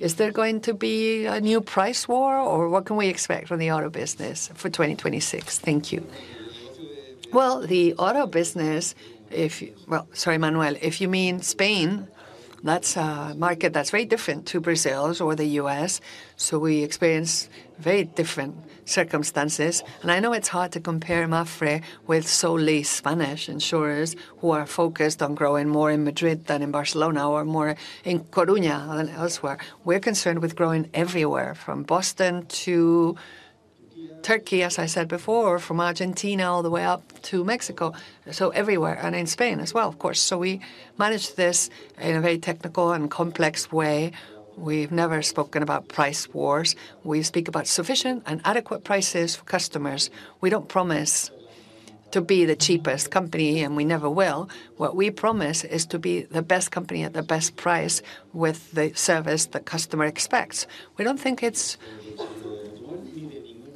Is there going to be a new price war, or what can we expect from the auto business for 2026? Thank you. Well, the auto business. Well, sorry, Manuel. If you mean Spain, that's a market that's very different to Brazil's or the US, so we experience very different circumstances. I know it's hard to compare MAPFRE with solely Spanish insurers, who are focused on growing more in Madrid than in Barcelona or more in Coruña than elsewhere. We're concerned with growing everywhere, from Boston to Turkey, Turkey, as I said before, from Argentina all the way up to Mexico, so everywhere, and in Spain as well, of course. So we manage this in a very technical and complex way. We've never spoken about price wars. We speak about sufficient and adequate prices for customers. We don't promise to be the cheapest company, and we never will. What we promise is to be the best company at the best price with the service the customer expects. We don't think it's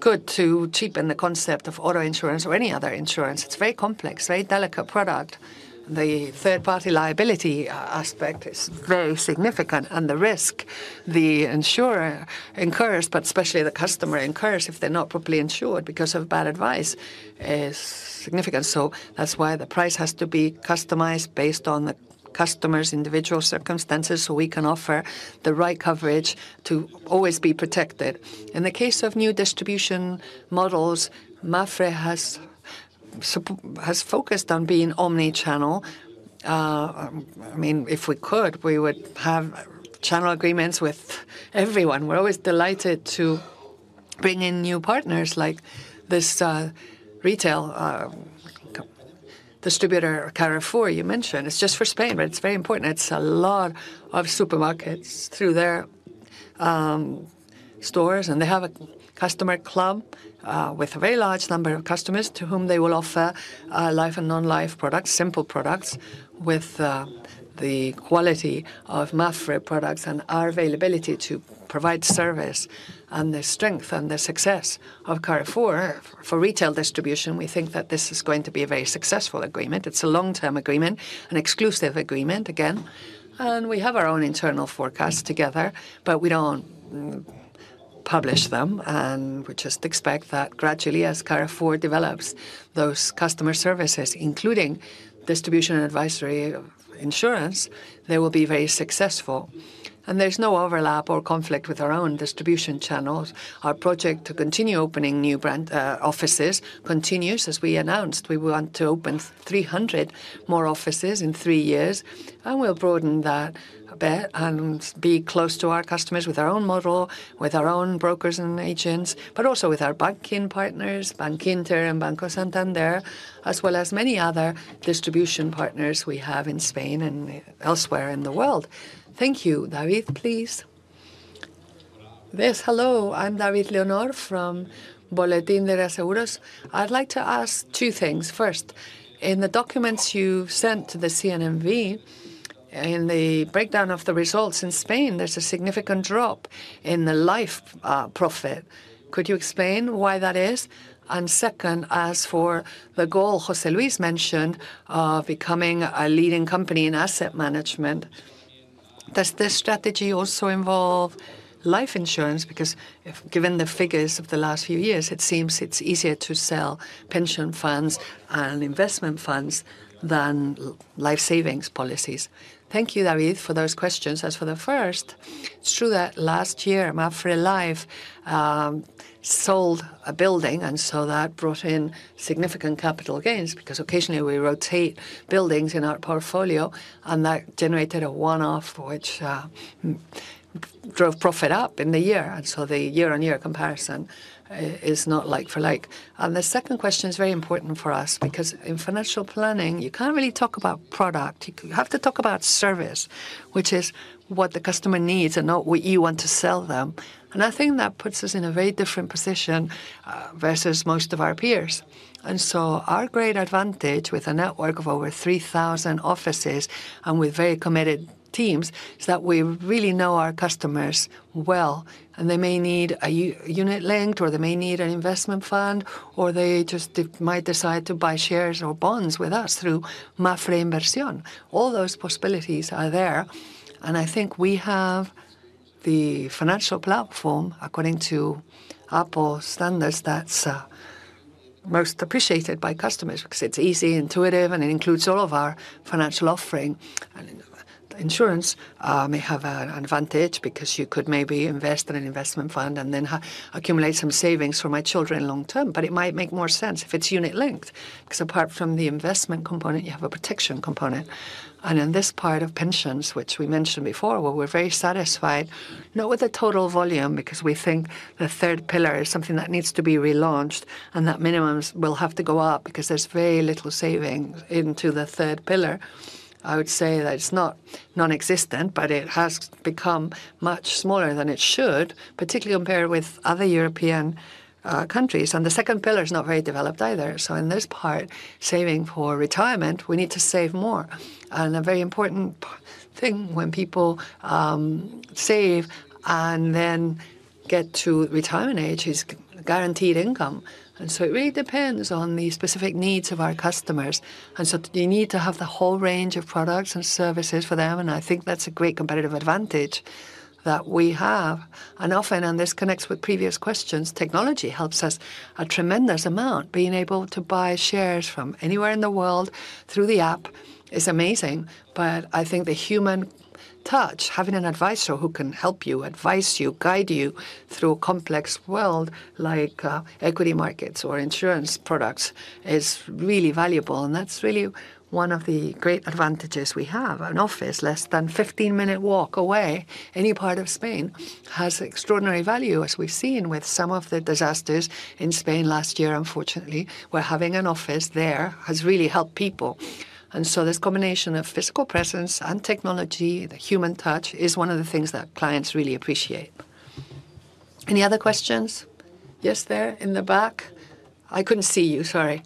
good to cheapen the concept of auto insurance or any other insurance. It's a very complex, very delicate product. The third-party liability aspect is very significant, and the risk the insurer incurs, but especially the customer incurs if they're not properly insured because of bad advice, is significant. So that's why the price has to be customized based on the customer's individual circumstances, so we can offer the right coverage to always be protected. In the case of new distribution models, MAPFRE has focused on being omni-channel. I mean, if we could, we would have channel agreements with everyone. We're always delighted to bring in new partners like this, retail distributor or Carrefour, you mentioned. It's just for Spain, but it's very important. It's a lot of supermarkets through their stores, and they have a customer club with a very large number of customers to whom they will offer life and non-life products, simple products, with the quality of MAPFRE products and our availability to provide service, and the strength and the success of Carrefour. For retail distribution, we think that this is going to be a very successful agreement. It's a long-term agreement, an exclusive agreement, again, and we have our own internal forecasts together, but we don't publish them, and we just expect that gradually, as Carrefour develops those customer services, including distribution and advisory insurance, they will be very successful. There's no overlap or conflict with our own distribution channels. Our project to continue opening new brand offices continues. As we announced, we want to open 300 more offices in three years, and we'll broaden that a bit and be close to our customers with our own model, with our own brokers and agents, but also with our banking partners, Bankinter and Banco Santander, as well as many other distribution partners we have in Spain and elsewhere in the world. Thank you. David, please. Yes, hello, I'm David Leonor from Boletín Diario de Seguros. I'd like to ask two things. First, in the documents you've sent to the CNMV, in the breakdown of the results in Spain, there's a significant drop in the life profit. Could you explain why that is? And second, as for the goal José Luis mentioned, of becoming a leading company in asset management, does this strategy also involve life insurance? Because if given the figures of the last few years, it seems it's easier to sell pension funds and investment funds than life savings policies. Thank you, David, for those questions. As for the first, it's true that last year, MAPFRE Life sold a building, and so that brought in significant capital gains because occasionally we rotate buildings in our portfolio, and that generated a one-off, which drove profit up in the year, and so the year-on-year comparison is not like for like. The second question is very important for us because in financial planning, you can't really talk about product. You have to talk about service, which is what the customer needs and not what you want to sell them. I think that puts us in a very different position versus most of our peers. So our great advantage, with a network of over 3,000 offices and with very committed teams, is that we really know our customers well, and they may need a unit-linked, or they may need an investment fund, or they just might decide to buy shares or bonds with us through MAPFRE Inversión. All those possibilities are there, and I think we have the financial platform, according to Apple standards, that's most appreciated by customers because it's easy, intuitive, and it includes all of our financial offering. And insurance may have an advantage because you could maybe invest in an investment fund and then accumulate some savings for my children long term. But it might make more sense if it's unit-linked, because apart from the investment component, you have a protection component. And in this part of pensions, which we mentioned before, where we're very satisfied, not with the total volume, because we think the third pillar is something that needs to be relaunched, and that minimums will have to go up because there's very little saving into the third pillar. I would say that it's not nonexistent, but it has become much smaller than it should, particularly compared with other European countries, and the second pillar is not very developed either. So in this part, saving for retirement, we need to save more. And a very important thing when people save and then get to retirement age is guaranteed income, and so it really depends on the specific needs of our customers. And so you need to have the whole range of products and services for them, and I think that's a great competitive advantage that we have. And often, and this connects with previous questions, technology helps us a tremendous amount. Being able to buy shares from anywhere in the world through the app is amazing, but I think the human touch, having an advisor who can help you, advise you, guide you through a complex world, like, equity markets or insurance products, is really valuable, and that's really one of the great advantages we have. An office less than 15-minute walk away, any part of Spain, has extraordinary value, as we've seen with some of the disasters in Spain last year, unfortunately, where having an office there has really helped people. And so this combination of physical presence and technology, the human touch, is one of the things that clients really appreciate. Any other questions? Yes, there in the back. I couldn't see you. Sorry.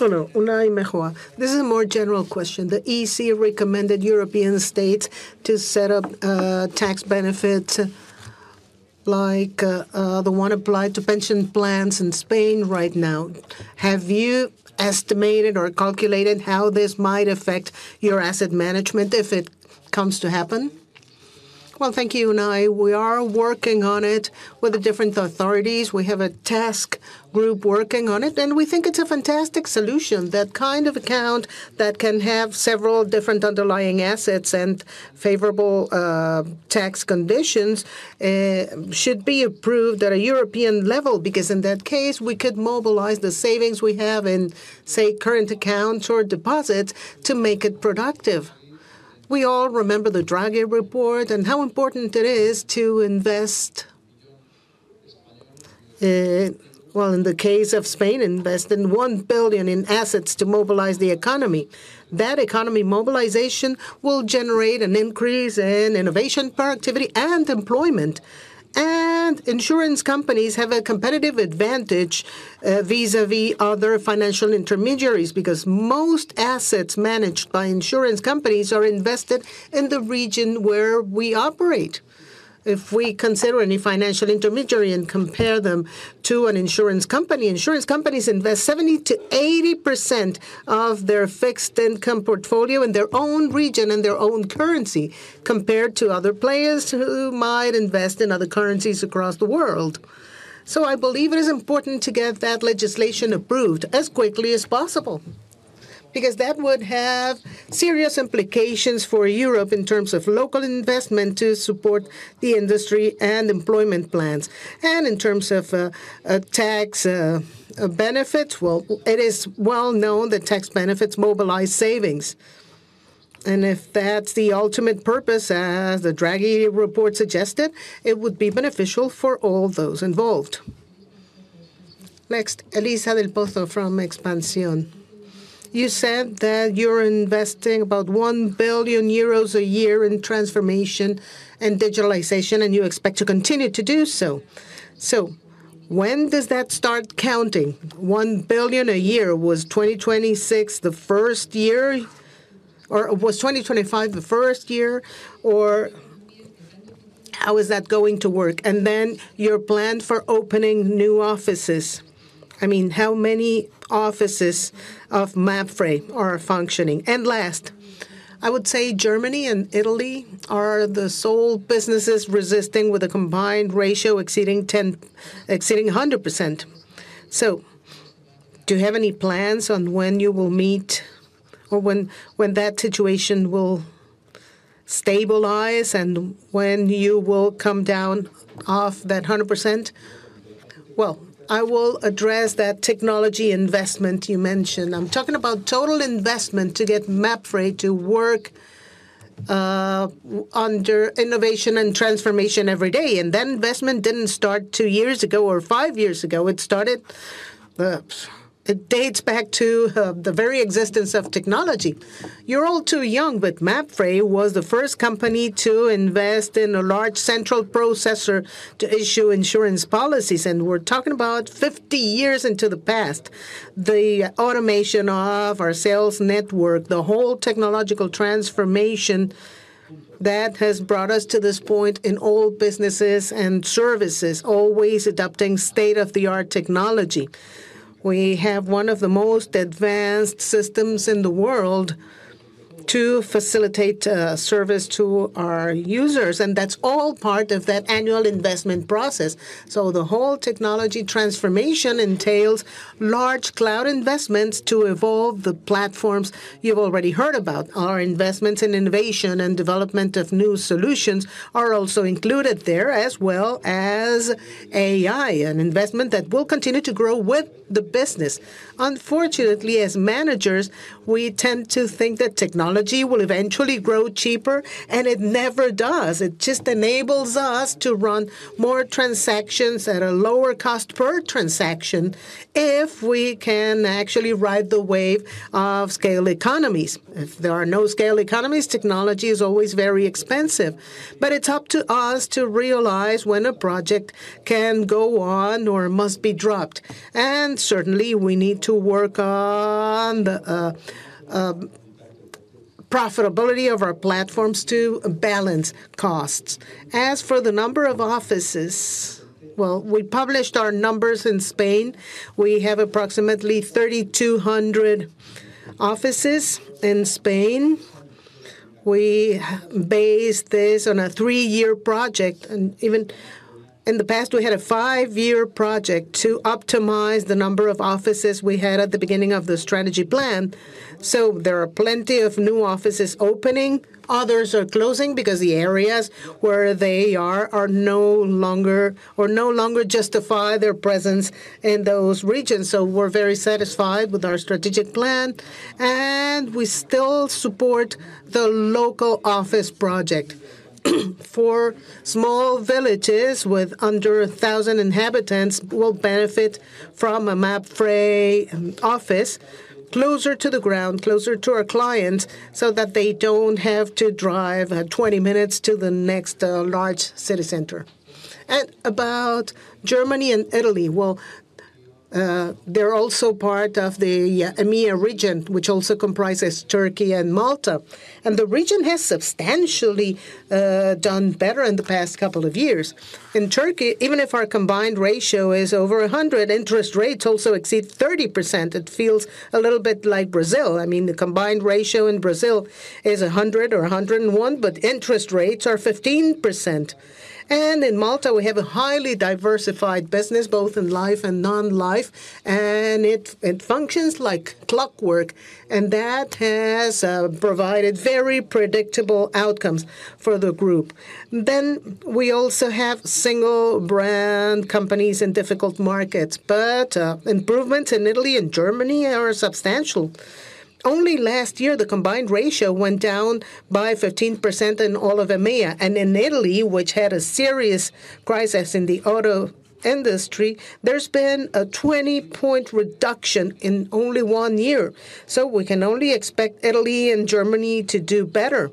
Hello. Unai Mejut. This is a more general question. The EC recommended European states to set up tax benefits like the one applied to pension plans in Spain right now. Have you estimated or calculated how this might affect your asset management if it comes to happen? Well, thank you, Unai. We are working on it with the different authorities. We have a task group working on it, and we think it's a fantastic solution. That kind of account that can have several different underlying assets and favorable tax conditions should be approved at a European level, because in that case, we could mobilize the savings we have in, say, current accounts or deposits to make it productive. We all remember the Draghi report and how important it is to invest, well, in the case of Spain, invest in 1 billion in assets to mobilize the economy. That economy mobilization will generate an increase in innovation, productivity, and employment. And insurance companies have a competitive advantage, vis-a-vis other financial intermediaries, because most assets managed by insurance companies are invested in the region where we operate. If we consider any financial intermediary and compare them to an insurance company, insurance companies invest 70%-80% of their fixed income portfolio in their own region, in their own currency, compared to other players who might invest in other currencies across the world. So I believe it is important to get that legislation approved as quickly as possible, because that would have serious implications for Europe in terms of local investment to support the industry and employment plans. In terms of a tax benefit, well, it is well known that tax benefits mobilize savings, and if that's the ultimate purpose, as the Draghi report suggested, it would be beneficial for all those involved. Next, Elisa Del Pozo from Expansión. You said that you're investing about 1 billion euros a year in transformation and digitalization, and you expect to continue to do so. So when does that start counting? 1 billion a year, was 2026 the first year, or was 2025 the first year, or how is that going to work? And then your plan for opening new offices. I mean, how many offices of MAPFRE are functioning? And last, I would say Germany and Italy are the sole businesses resisting with a combined ratio exceeding 100%. So do you have any plans on when you will meet or when, when that situation will stabilize and when you will come down off that 100%? Well, I will address that technology investment you mentioned. I'm talking about total investment to get MAPFRE to work under innovation and transformation every day, and that investment didn't start two years ago or five years ago. It started, it dates back to, the very existence of technology. You're all too young, but MAPFRE was the first company to invest in a large central processor to issue insurance policies, and we're talking about 50 years into the past. The automation of our sales network, the whole technological transformation that has brought us to this point in all businesses and services, always adopting state-of-the-art technology. We have one of the most advanced systems in the world to facilitate, service to our users, and that's all part of that annual investment process. So the whole technology transformation entails large cloud investments to evolve the platforms you've already heard about. Our investments in innovation and development of new solutions are also included there, as well as AI, an investment that will continue to grow with the business. Unfortunately, as managers, we tend to think that technology will eventually grow cheaper, and it never does. It just enables us to run more transactions at a lower cost per transaction if we can actually ride the wave of scale economies. If there are no scale economies, technology is always very expensive, but it's up to us to realize when a project can go on or must be dropped. Certainly, we need to work on the profitability of our platforms to balance costs. As for the number of offices, well, we published our numbers in Spain. We have approximately 3,200 offices in Spain. We based this on a three-year project, and even in the past, we had a five-year project to optimize the number of offices we had at the beginning of the strategy plan. So there are plenty of new offices opening. Others are closing because the areas where they are are no longer or no longer justify their presence in those regions. So we're very satisfied with our strategic plan, and we still support the local office project for small villages with under 1,000 inhabitants will benefit from a MAPFRE office closer to the ground, closer to our clients, so that they don't have to drive 20 minutes to the next large city center. And about Germany and Italy, well, they're also part of the EMEA region, which also comprises Turkey and Malta, and the region has substantially done better in the past couple of years. In Turkey, even if our combined ratio is over 100, interest rates also exceed 30%. It feels a little bit like Brazil. I mean, the combined ratio in Brazil is 100 or 101, but interest rates are 15%. In Malta, we have a highly diversified business, both in life and non-life, and it functions like clockwork, and that has provided very predictable outcomes for the group. We also have single-brand companies in difficult markets, but improvements in Italy and Germany are substantial. Only last year, the combined ratio went down by 15% in all of EMEA, and in Italy, which had a serious crisis in the auto industry, there's been a 20-point reduction in only one year. So we can only expect Italy and Germany to do better.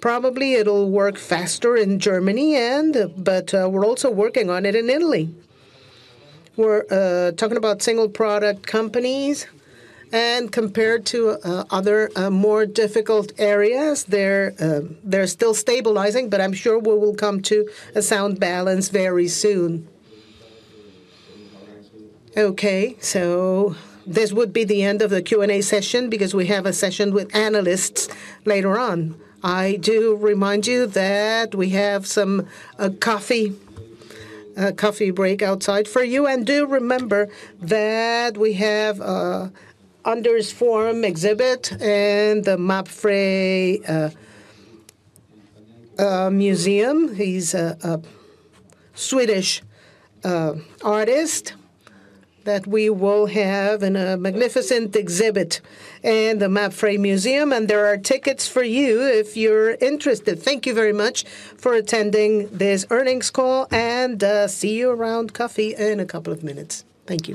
Probably, it'll work faster in Germany and, but we're also working on it in Italy. We're talking about single-product companies, and compared to other more difficult areas, they're still stabilizing, but I'm sure we will come to a sound balance very soon. Okay, so this would be the end of the Q&A session because we have a session with analysts later on. I do remind you that we have some coffee, a coffee break outside for you, and do remember that we have a Anders Zorn exhibit in the MAPFRE Museum. He's a Swedish artist that we will have in a magnificent exhibit in the MAPFRE Museum, and there are tickets for you if you're interested. Thank you very much for attending this earnings call, and see you around coffee in a couple of minutes. Thank you.